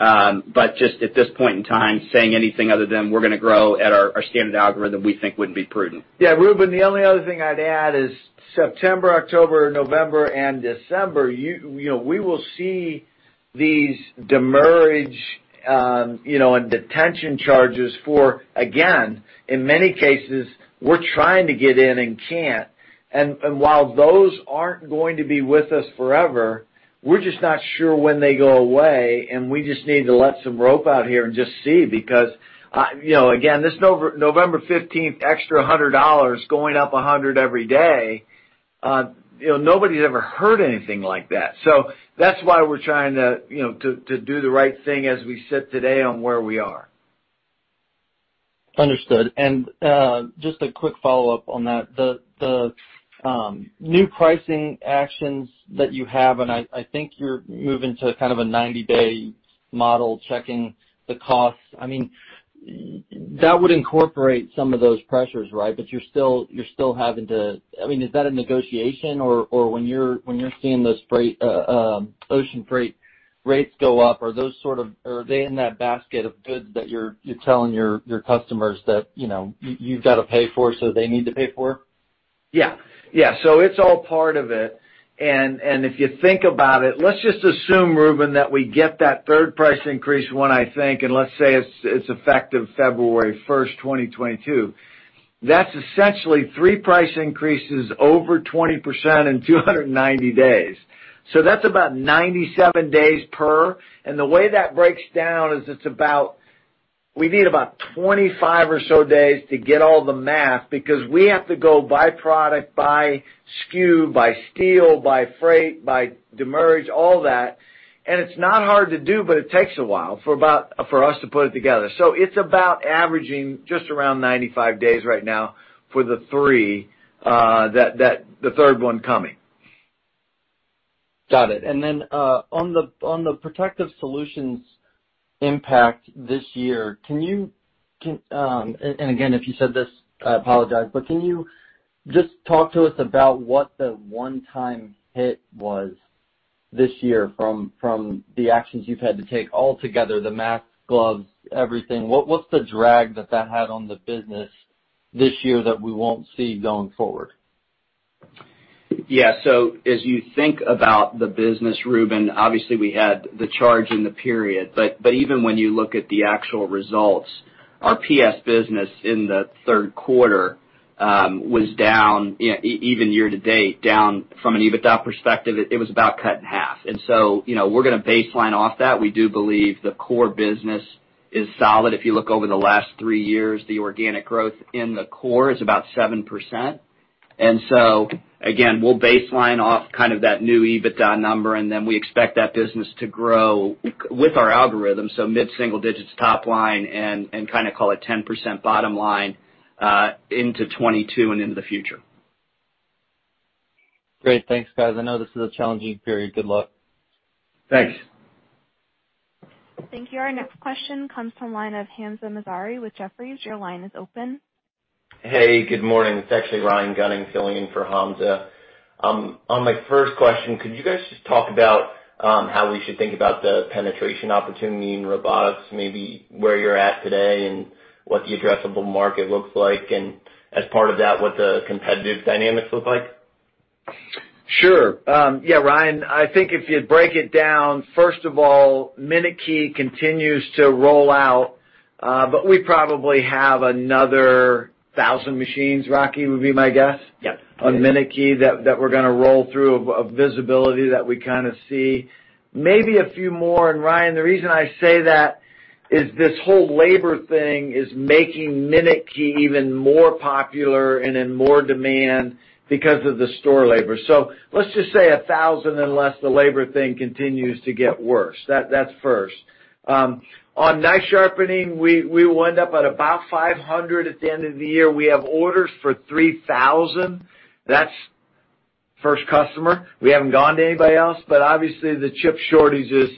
Just at this point in time, saying anything other than we're gonna grow at our standard algorithm, we think wouldn't be prudent. Yeah, Reuben, the only other thing I'd add is September, October, November and December, you know, we will see these demurrage, you know, and detention charges for, again, in many cases, we're trying to get in and can't. While those aren't going to be with us forever, we're just not sure when they go away, and we just need to let some rope out here and just see. Because, you know, again, this November fifteenth extra $100 going up $100 every day, you know, nobody's ever heard anything like that. That's why we're trying to, you know, do the right thing as we sit today on where we are. Understood. Just a quick follow-up on that. New pricing actions that you have, and I think you're moving to kind of a 90-day model, checking the costs. I mean, that would incorporate some of those pressures, right? You're still having to. I mean, is that a negotiation or when you're seeing those freight ocean freight rates go up, are those sort of in that basket of goods that you're telling your customers that, you know, you've gotta pay for, so they need to pay for? It's all part of it. If you think about it, let's just assume, Reuben, that we get that third price increase, one, I think, and let's say it's effective February first, 2022. That's essentially three price increases over 20% in 290 days. That's about 97 days per. The way that breaks down is we need about 25 or so days to get all the math because we have to go by product, by SKU, by steel, by freight, by demurrage, all that. It's not hard to do, but it takes a while for us to put it together. It's about averaging just around 95 days right now for the three, the third one coming. Got it. On the Protective Solutions impact this year, and again, if you said this, I apologize, but can you just talk to us about what the one-time hit was this year from the actions you've had to take altogether, the masks, gloves, everything? What's the drag that that had on the business this year that we won't see going forward? Yeah. As you think about the business, Reuben, obviously we had the charge in the period. But even when you look at the actual results, our PS business in the third quarter was down, you know, even year to date, down from an EBITDA perspective, it was about cut in half. You know, we're gonna baseline off that. We do believe the core business is solid. If you look over the last three years, the organic growth in the core is about 7%. Again, we'll baseline off kind of that new EBITDA number, and then we expect that business to grow with our algorithm, so mid-single digits top line and kinda call it 10% bottom line into 2022 and into the future. Great. Thanks, guys. I know this is a challenging period. Good luck. Thanks. Thank you. Our next question comes from the line of Hamzah Mazari with Jefferies. Your line is open. Hey, good morning. It's actually Ryan Gunning filling in for Hamzah. On my first question, could you guys just talk about how we should think about the penetration opportunity in robotics, maybe where you're at today and what the addressable market looks like? As part of that, what the competitive dynamics look like? Sure. Yeah, Ryan, I think if you break it down, first of all, minuteKEY continues to roll out, but we probably have another 1,000 machines, Rocky, would be my guess. Yeah on minuteKEY that we're gonna roll through of visibility that we kinda see. Maybe a few more. Ryan, the reason I say that is this whole labor thing is making minuteKEY even more popular and in more demand because of the store labor. Let's just say 1,000 unless the labor thing continues to get worse. That's first. On knife sharpening, we will end up at about 500 at the end of the year. We have orders for 3,000. That's first customer. We haven't gone to anybody else, but obviously, the chip shortage is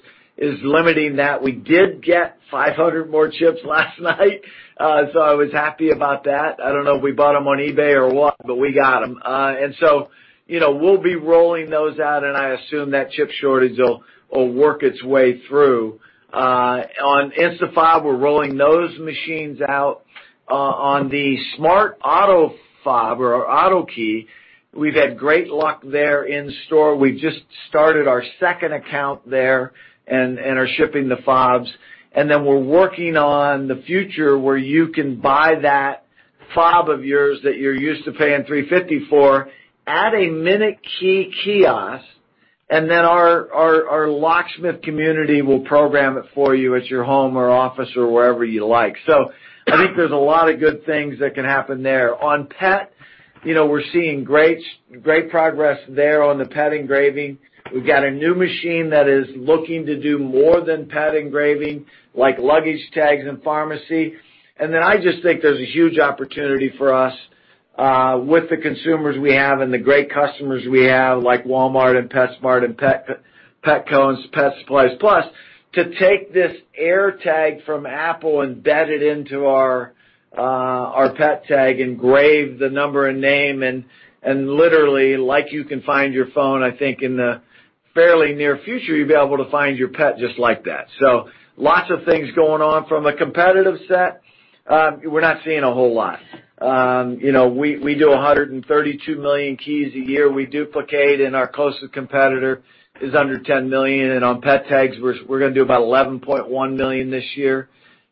limiting that. We did get 500 more chips last night, so I was happy about that. I don't know if we bought them on eBay or what, but we got them. You know, we'll be rolling those out, and I assume that chip shortage will work its way through. On InstaFob, we're rolling those machines out. On the Smart AutoFob or AutoKey, we've had great luck there in store. We just started our second account there and are shipping the fobs. We're working on the future where you can buy that fob of yours that you're used to paying $3.54 at a minuteKEY kiosk, and then our locksmith community will program it for you at your home or office or wherever you like. I think there's a lot of good things that can happen there. On pet, you know, we're seeing great progress there on the pet engraving. We've got a new machine that is looking to do more than pet engraving, like luggage tags and pharmacy. I just think there's a huge opportunity for us with the consumers we have and the great customers we have, like Walmart and PetSmart and Petco and Pet Supplies Plus, to take this AirTag from Apple, embed it into our pet tag, engrave the number and name and literally, like you can find your phone. I think in the fairly near future, you'll be able to find your pet just like that. Lots of things going on. From a competitive set, we're not seeing a whole lot. You know, we do 132 million keys a year we duplicate, and our closest competitor is under 10 million. On pet tags, we're gonna do about $11.1 million this year,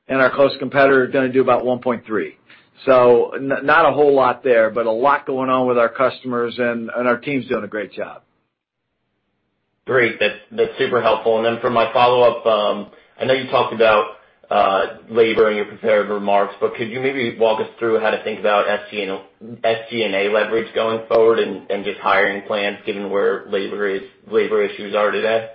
and our close competitor are gonna do about $1.3 million. Not a whole lot there, but a lot going on with our customers and our team's doing a great job. Great. That's super helpful. Then for my follow-up, I know you talked about labor in your prepared remarks, but could you maybe walk us through how to think about SG&A leverage going forward and just hiring plans given where labor issues are today?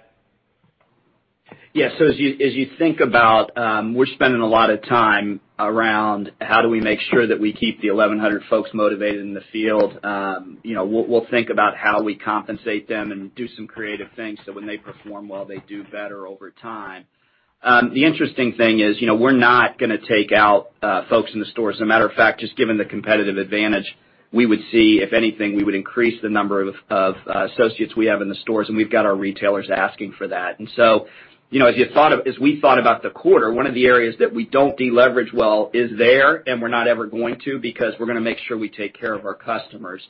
Yeah. As you think about, we're spending a lot of time around how do we make sure that we keep the 1,100 folks motivated in the field. You know, we'll think about how we compensate them and do some creative things, so when they perform well, they do better over time. The interesting thing is, you know, we're not gonna take out folks in the stores. As a matter of fact, just given the competitive advantage, we would see, if anything, we would increase the number of associates we have in the stores, and we've got our retailers asking for that. You know, as we thought about the quarter, one of the areas that we don't deleverage well is there, and we're not ever going to because we're gonna make sure we take care of our customers.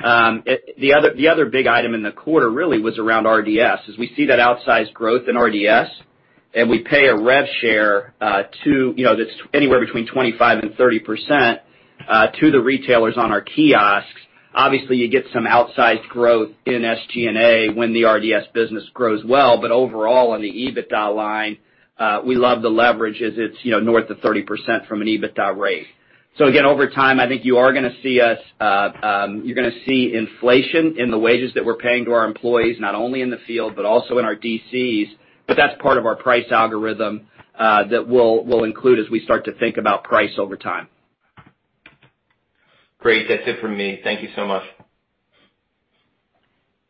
The other big item in the quarter really was around RDS. As we see that outsized growth in RDS, and we pay a rev share to, you know, that's anywhere between 25%-30% to the retailers on our kiosks. Obviously, you get some outsized growth in SG&A when the RDS business grows well. But overall, on the EBITDA line, we love the leverage as it's, you know, north of 30% from an EBITDA rate. Again, over time, I think you're gonna see inflation in the wages that we're paying to our employees, not only in the field, but also in our DCs, but that's part of our price algorithm that we'll include as we start to think about price over time. Great. That's it for me. Thank you so much.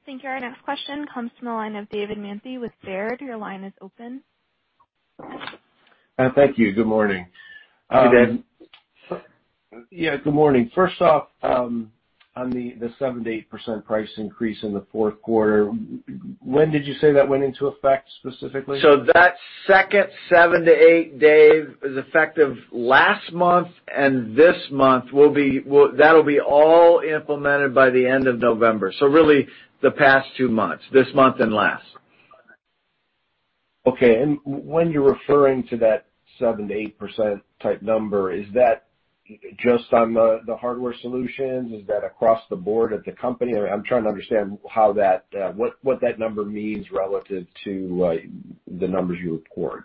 Thank you. Our next question comes from the line of David Manthey with Baird. Your line is open. Thank you. Good morning. Hey, Dave. Yeah. Good morning. First off, on the 7%-8% price increase in the fourth quarter, when did you say that went into effect specifically? That second 7-8, Dave, is effective last month and this month will be. That'll be all implemented by the end of November. Really, the past two months, this month and last. Okay. When you're referring to that 7%-8% type number, is that just on the Hardware Solutions? Is that across the board at the company? I'm trying to understand how that, what that number means relative to the numbers you report.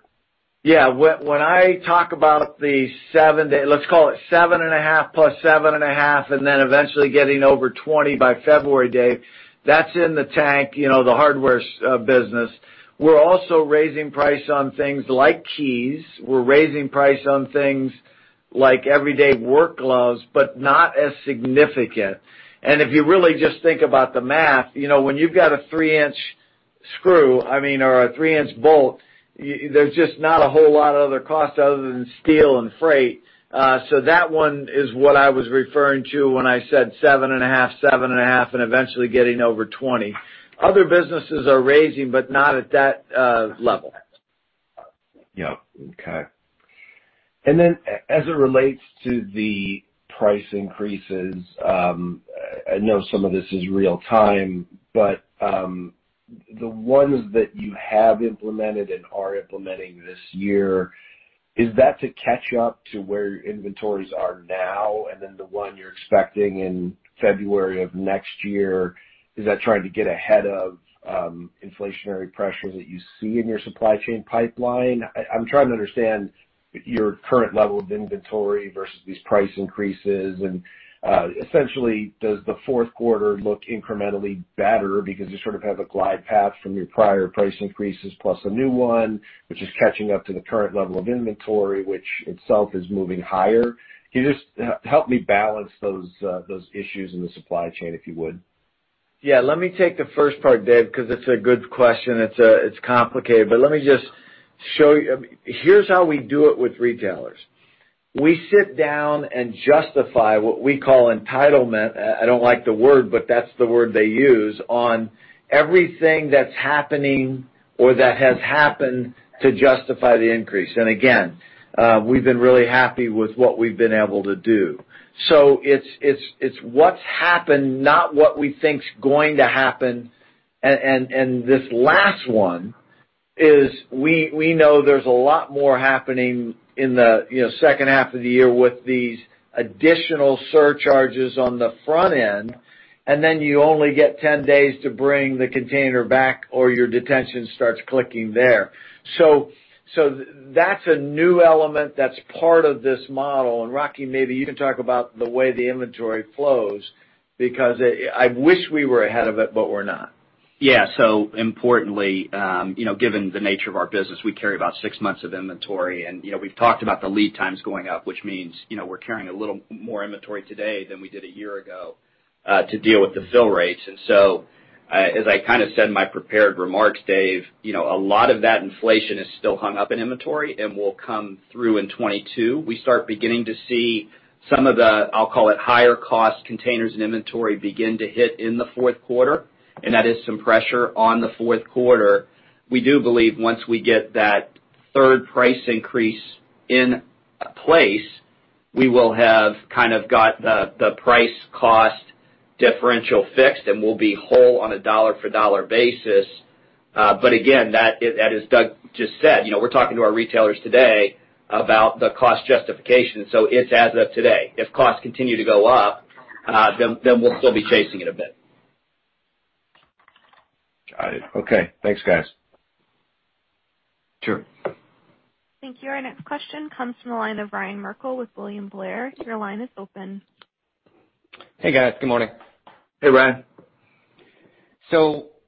Yeah. When I talk about the 7% to. Let's call it 7.5% + 7.5%, and then eventually getting over 20% by February, Dave, that's intact, you know, the hardware business. We're also raising price on things like keys. We're raising price on things like everyday work gloves, but not as significant. If you really just think about the math, you know, when you've got a 3-inch screw, I mean, or a 3-inch bolt, there's just not a whole lot of other costs other than steel and freight. So that one is what I was referring to when I said 7.5%, 7.5%, and eventually getting over 20%. Other businesses are raising, but not at that level. Yeah. Okay. Then as it relates to the price increases, I know some of this is real-time, but the ones that you have implemented and are implementing this year, is that to catch up to where inventories are now? The one you're expecting in February of next year, is that trying to get ahead of inflationary pressure that you see in your supply chain pipeline? I'm trying to understand your current level of inventory versus these price increases. Essentially, does the fourth quarter look incrementally better because you sort of have a glide path from your prior price increases plus a new one, which is catching up to the current level of inventory, which itself is moving higher? Can you just help me balance those issues in the supply chain, if you would? Yeah, let me take the first part, Dave, 'cause it's a good question. It's complicated, but here's how we do it with retailers. We sit down and justify what we call entitlement, I don't like the word, but that's the word they use, on everything that's happening or that has happened to justify the increase. Again, we've been really happy with what we've been able to do. It's what's happened, not what we think is going to happen. This last one is, we know there's a lot more happening in the, you know, second half of the year with these additional surcharges on the front end, and then you only get 10 days to bring the container back or your detention starts clicking there. That's a new element that's part of this model. Rocky, maybe you can talk about the way the inventory flows because it, I wish we were ahead of it, but we're not. Yeah. Importantly, you know, given the nature of our business, we carry about six months of inventory. You know, we've talked about the lead times going up, which means, you know, we're carrying a little more inventory today than we did a year ago to deal with the fill rates. As I kind of said in my prepared remarks, Dave, you know, a lot of that inflation is still hung up in inventory and will come through in 2022. We start beginning to see some of the, I'll call it higher cost containers and inventory begin to hit in the fourth quarter, and that is some pressure on the fourth quarter. We do believe once we get that third price increase in place, we will have kind of got the price cost differential fixed, and we'll be whole on a dollar for dollar basis. Again, that as Doug just said, you know, we're talking to our retailers today about the cost justification, so it's as of today. If costs continue to go up, then we'll still be chasing it a bit. Got it. Okay. Thanks, guys. Sure. Thank you. Our next question comes from the line of Ryan Merkel with William Blair. Your line is open. Hey, guys. Good morning. Hey, Ryan.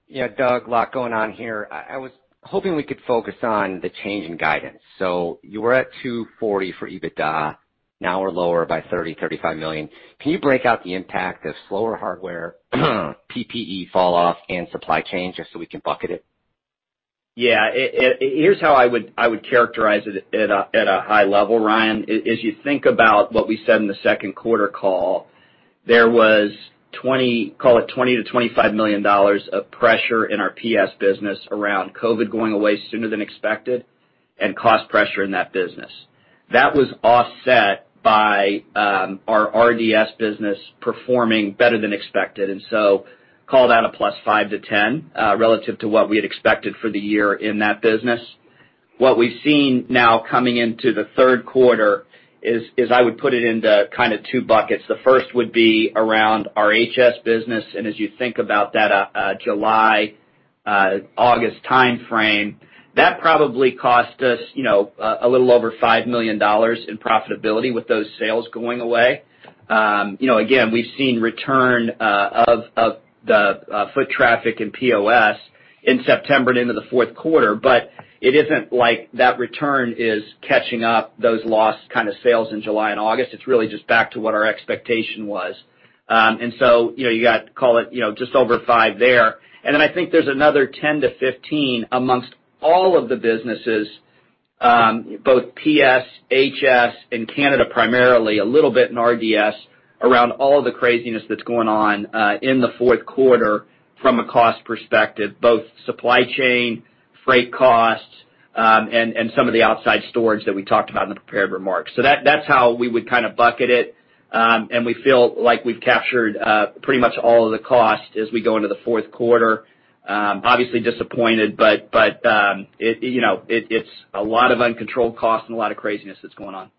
You know, Doug, a lot going on here. I was hoping we could focus on the change in guidance. You were at $240 million for EBITDA, now we're lower by $30 million-$35 million. Can you break out the impact of slower hardware, PPE falloff, and supply chain, just so we can bucket it? Here's how I would characterize it at a high level, Ryan. As you think about what we said in the second quarter call, there was $20 million-$25 million of pressure in our PS business around COVID going away sooner than expected and cost pressure in that business. That was offset by our RDS business performing better than expected. Call that +$5 million-$10 million relative to what we had expected for the year in that business. What we've seen now coming into the third quarter is I would put it into kind of two buckets. The first would be around our HS business, and as you think about that, July, August timeframe, that probably cost us, you know, a little over $5 million in profitability with those sales going away. You know, again, we've seen return of the foot traffic in POS in September and into the fourth quarter, but it isn't like that return is catching up those lost kind of sales in July and August. It's really just back to what our expectation was. You know, you got to call it, you know, just over $5 there. I think there's another $10-$15 amongst all of the businesses, both PS, HS, and Canada primarily, a little bit in RDS, around all the craziness that's going on in the fourth quarter from a cost perspective, both supply chain, freight costs, and some of the outside storage that we talked about in the prepared remarks. That, that's how we would kind of bucket it. We feel like we've captured pretty much all of the cost as we go into the fourth quarter. Obviously disappointed, but you know, it's a lot of uncontrolled costs and a lot of craziness that's going on.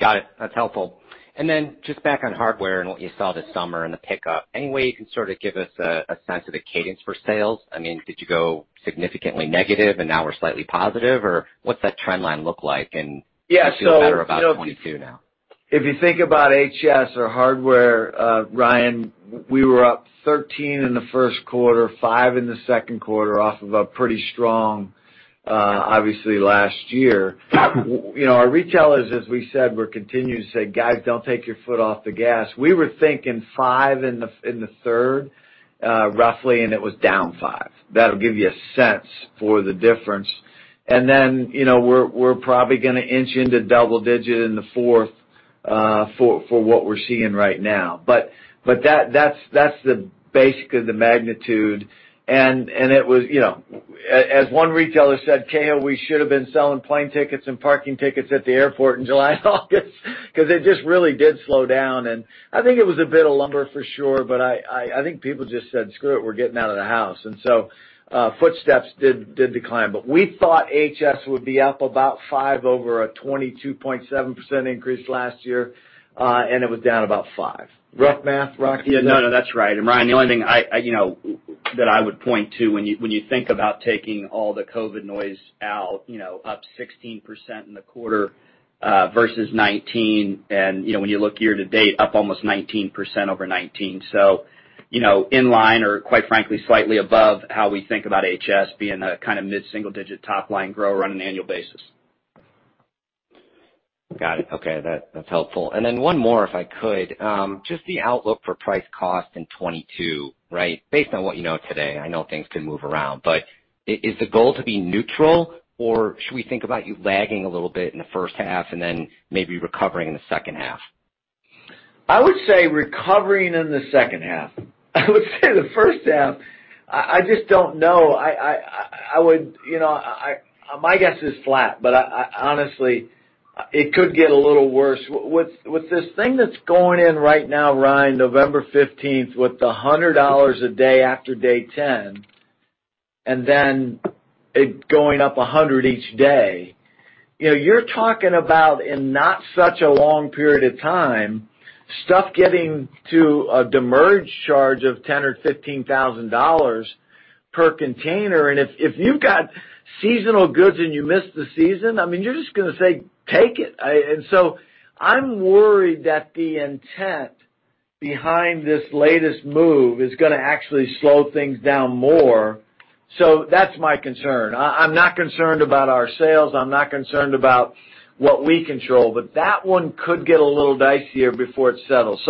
Got it. That's helpful. Just back on Hardware and what you saw this summer and the pickup. Any way you can sort of give us a sense of the cadence for sales? I mean, did you go significantly negative and now we're slightly positive, or what's that trend line look like, and Yeah. Feel better about '22 now? If you think about HS or hardware, Ryan, we were up 13% in the first quarter, 5% in the second quarter off of a pretty strong, obviously last year. You know, our retailers, as we said, we're continuing to say, "Guys, don't take your foot off the gas." We were thinking 5% in the third quarter, roughly, and it was down 5%. That'll give you a sense for the difference. Then, you know, we're probably gonna inch into double digit in the fourth quarter for what we're seeing right now. That's basically the magnitude. It was, you know, as one retailer said, "KO, we should have been selling plane tickets and parking tickets at the airport in July and August," because it just really did slow down. I think it was a bit of lumber for sure, but I think people just said, "Screw it, we're getting out of the house." Foot traffic did decline. We thought HS would be up about 5% over a 22.7% increase last year, and it was down about 5%. Rough math, Rocky? Yeah. No, no, that's right. Ryan, the only thing I, you know, that I would point to when you think about taking all the COVID noise out, you know, up 16% in the quarter versus 19. You know, when you look year to date, up almost 19% over 19. You know, in line or quite frankly, slightly above how we think about HS being a kind of mid-single digit top line grower on an annual basis. Got it. Okay, that's helpful. Then one more, if I could. Just the outlook for price cost in 2022, right? Based on what you know today, I know things could move around. Is the goal to be neutral, or should we think about you lagging a little bit in the first half and then maybe recovering in the second half? I would say recovering in the second half. I would say the first half. You know, my guess is flat, but honestly, it could get a little worse. With this thing that's going in right now, Ryan, November 15th, with the $100 a day after day 10 and then it going up $100 each day, you know, you're talking about, in not such a long period of time, stuff getting to a demurrage charge of $10,000 or $15,000 per container. If you've got seasonal goods and you miss the season, I mean, you're just gonna say, "Take it." I'm worried that the intent behind this latest move is gonna actually slow things down more. That's my concern. I'm not concerned about our sales, I'm not concerned about what we control, but that one could get a little dicier before it settles.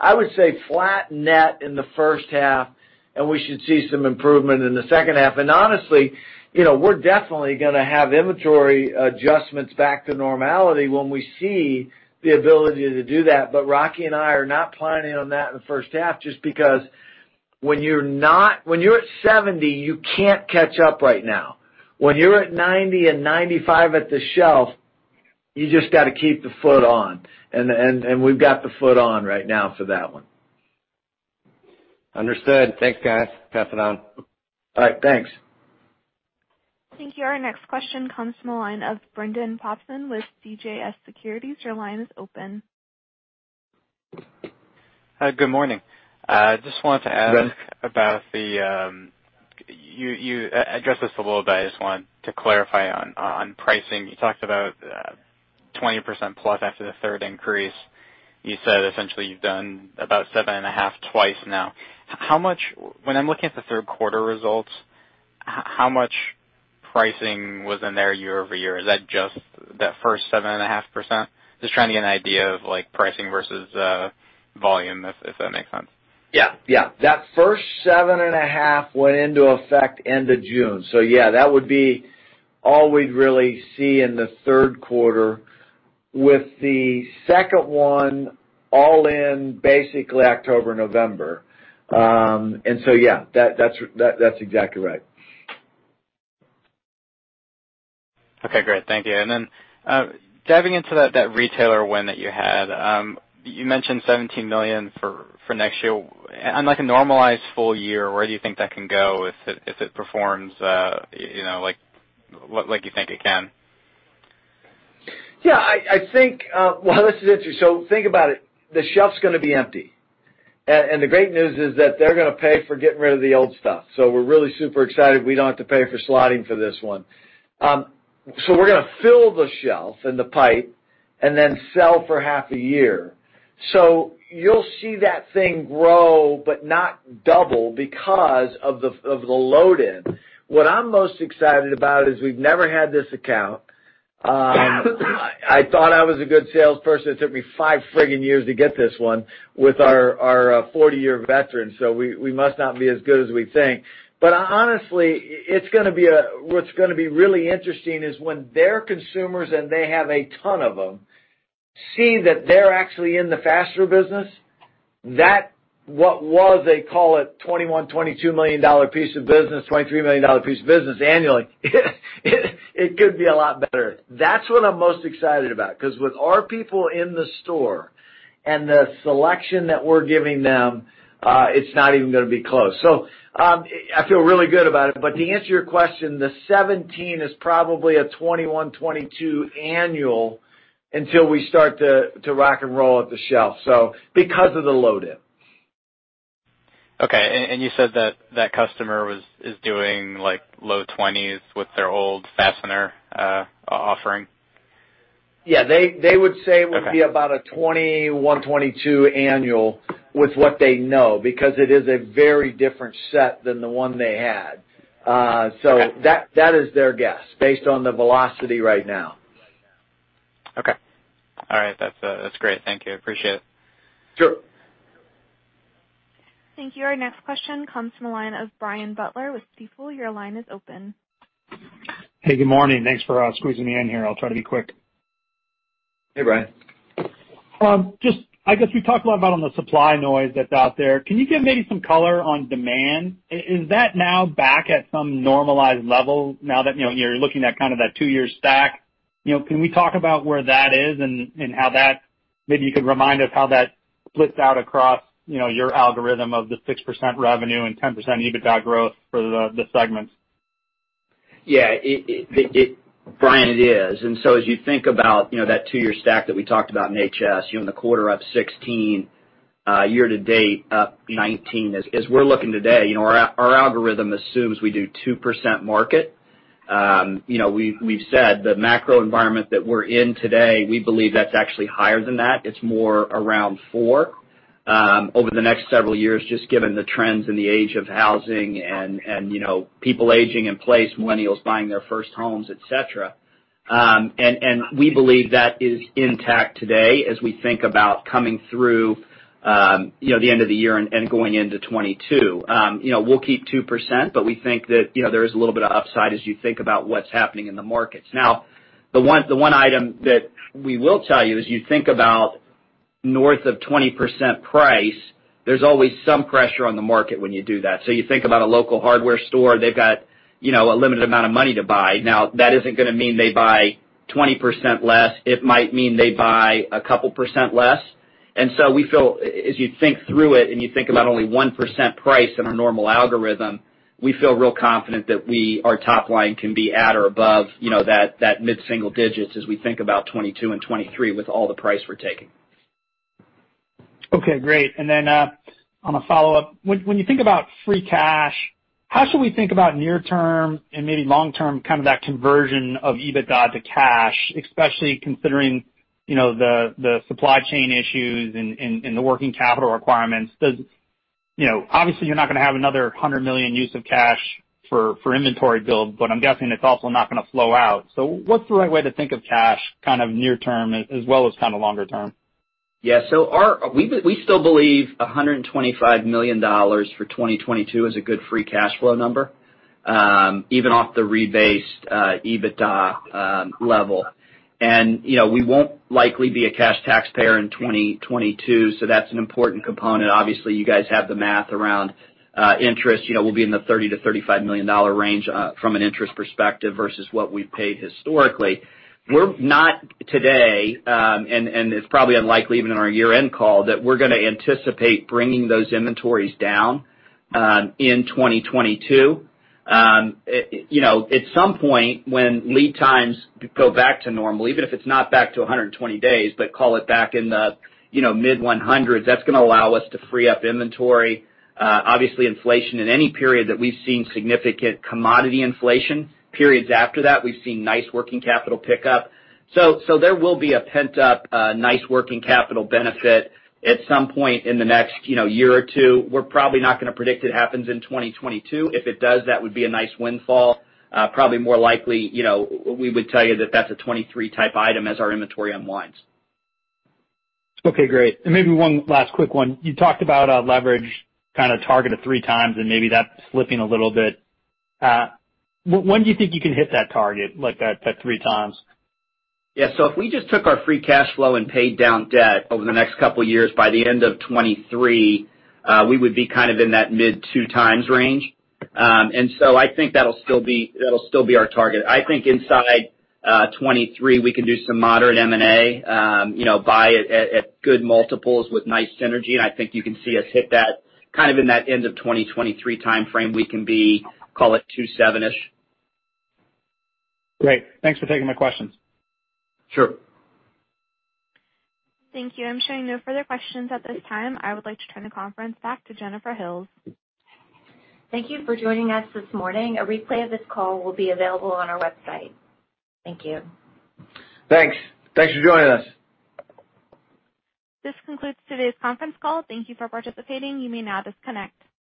I would say flat net in the first half, and we should see some improvement in the second half. Honestly, you know, we're definitely gonna have inventory adjustments back to normality when we see the ability to do that. Rocky and I are not planning on that in the first half, just because when you're at 70, you can't catch up right now. When you're at 90 and 95 at the shelf, you just gotta keep the foot on. We've got the foot on right now for that one. Understood. Thanks, guys. Passing on. All right, thanks. Thank you. Our next question comes from the line of Brendan Popson with CJS Securities. Your line is open. Hi, good morning. Just wanted to ask. Yes. You addressed this a little bit. I just wanted to clarify on pricing. You talked about 20% plus after the third increase. You said essentially you've done about 7.5 twice now. When I'm looking at the third quarter results, how much pricing was in there year-over-year? Is that just that first 7.5%? Just trying to get an idea of, like, pricing versus volume, if that makes sense. Yeah. That first 7.5 went into effect end of June. That would be all we'd really see in the third quarter, with the second one all in basically October, November. Yeah, that's exactly right. Okay, great. Thank you. Diving into that retailer win that you had, you mentioned $17 million for next year. On like a normalized full year, where do you think that can go if it performs, you know, like you think it can? Yeah, I think. Well, this is interesting. Think about it, the shelf's gonna be empty and the great news is that they're gonna pay for getting rid of the old stuff. We're really super excited we don't have to pay for slotting for this one. We're gonna fill the shelf and the pipe and then sell for half a year. You'll see that thing grow but not double because of the load in. What I'm most excited about is we've never had this account. I thought I was a good salesperson. It took me five frigging years to get this one with our 40-year veteran, so we must not be as good as we think. Honestly, it's gonna be what's gonna be really interesting is when their consumers, and they have a ton of them, see that they're actually in the fastener business, that, what was, they call it, $21 million-$22 million piece of business, $23 million piece of business annually, it could be a lot better. That's what I'm most excited about. 'Cause with our people in the store and the selection that we're giving them, it's not even gonna be close. I feel really good about it. To answer your question, the 17 is probably a $21 million-$22 million annual until we start to rock and roll at the shelf, so because of the load in. You said that customer is doing like low 20s with their old fastener offering? Yeah. They would say it would be about a $21 million-$22 million annual with what they know, because it is a very different set than the one they had. That is their guess based on the velocity right now. Okay. All right. That's great. Thank you. Appreciate it. Sure. Thank you. Our next question comes from the line of Brian Butler with Stifel. Your line is open. Hey, good morning. Thanks for squeezing me in here. I'll try to be quick. Hey, Brian. Just, I guess we talked a lot about the supply noise that's out there. Can you give maybe some color on demand? Is that now back at some normalized level now that, you know, you're looking at kind of that two-year stack? You know, can we talk about where that is and how that splits out across, you know, your allocation of the 6% revenue and 10% EBITDA growth for the segments. Yeah. It is. Brian, it is. As you think about, you know, that two-year stack that we talked about in HS, you know, in the quarter, up 16, year to date, up 19. As we're looking today, you know, our algorithm assumes we do 2% market. You know, we've said the macro environment that we're in today, we believe that's actually higher than that. It's more around 4%. Over the next several years, just given the trends in the age of housing and you know, people aging in place, millennials buying their first homes, et cetera. We believe that is intact today as we think about coming through you know, the end of the year and going into 2022. You know, we'll keep 2%, but we think that you know, there is a little bit of upside as you think about what's happening in the markets. Now, the one item that we will tell you as you think about north of 20% price, there's always some pressure on the market when you do that. You think about a local hardware store, they've got you know, a limited amount of money to buy. Now, that isn't gonna mean they buy 20% less. It might mean they buy a couple % less. We feel, as you think through it and you think about only 1% price in our normal algorithm, we feel real confident that our top line can be at or above, you know, that mid-single digits as we think about 2022 and 2023 with all the price we're taking. Okay, great. Then, on a follow-up, when you think about free cash, how should we think about near term and maybe long term kind of that conversion of EBITDA to cash, especially considering, you know, the supply chain issues and the working capital requirements? You know, obviously you're not gonna have another $100 million use of cash for inventory build, but I'm guessing it's also not gonna flow out. So what's the right way to think of cash kind of near term as well as kind of longer term? We still believe $125 million for 2022 is a good free cash flow number, even off the rebased EBITDA level. You know, we won't likely be a cash taxpayer in 2022, so that's an important component. Obviously, you guys have the math around interest. You know, we'll be in the $30 million-$35 million range from an interest perspective versus what we've paid historically. We're not today, and it's probably unlikely even in our year-end call that we're gonna anticipate bringing those inventories down in 2022. You know, at some point when lead times go back to normal, even if it's not back to 120 days, but call it back in the mid-100s, that's gonna allow us to free up inventory. Obviously inflation in any period that we've seen significant commodity inflation periods after that, we've seen nice working capital pickup. There will be a pent-up, nice working capital benefit at some point in the next, you know, year or two. We're probably not gonna predict it happens in 2022. If it does, that would be a nice windfall. Probably more likely, you know, we would tell you that that's a 2023 type item as our inventory unwinds. Okay, great. Maybe one last quick one. You talked about leverage kind of target of 3x and maybe that's slipping a little bit. When do you think you can hit that target like that 3x? Yeah. If we just took our free cash flow and paid down debt over the next couple years by the end of 2023, we would be kind of in that mid-2x range. I think that'll still be our target. I think inside 2023, we can do some moderate M&A, you know, buy at good multiples with nice synergy. I think you can see us hit that kind of in that end of 2023 timeframe, we can be, call it 2.7-ish. Great. Thanks for taking my questions. Sure. Thank you. I'm showing no further questions at this time. I would like to turn the conference back to Jennifer Hills. Thank you for joining us this morning. A replay of this call will be available on our website. Thank you. Thanks. Thanks for joining us. This concludes today's conference call. Thank you for participating. You may now disconnect.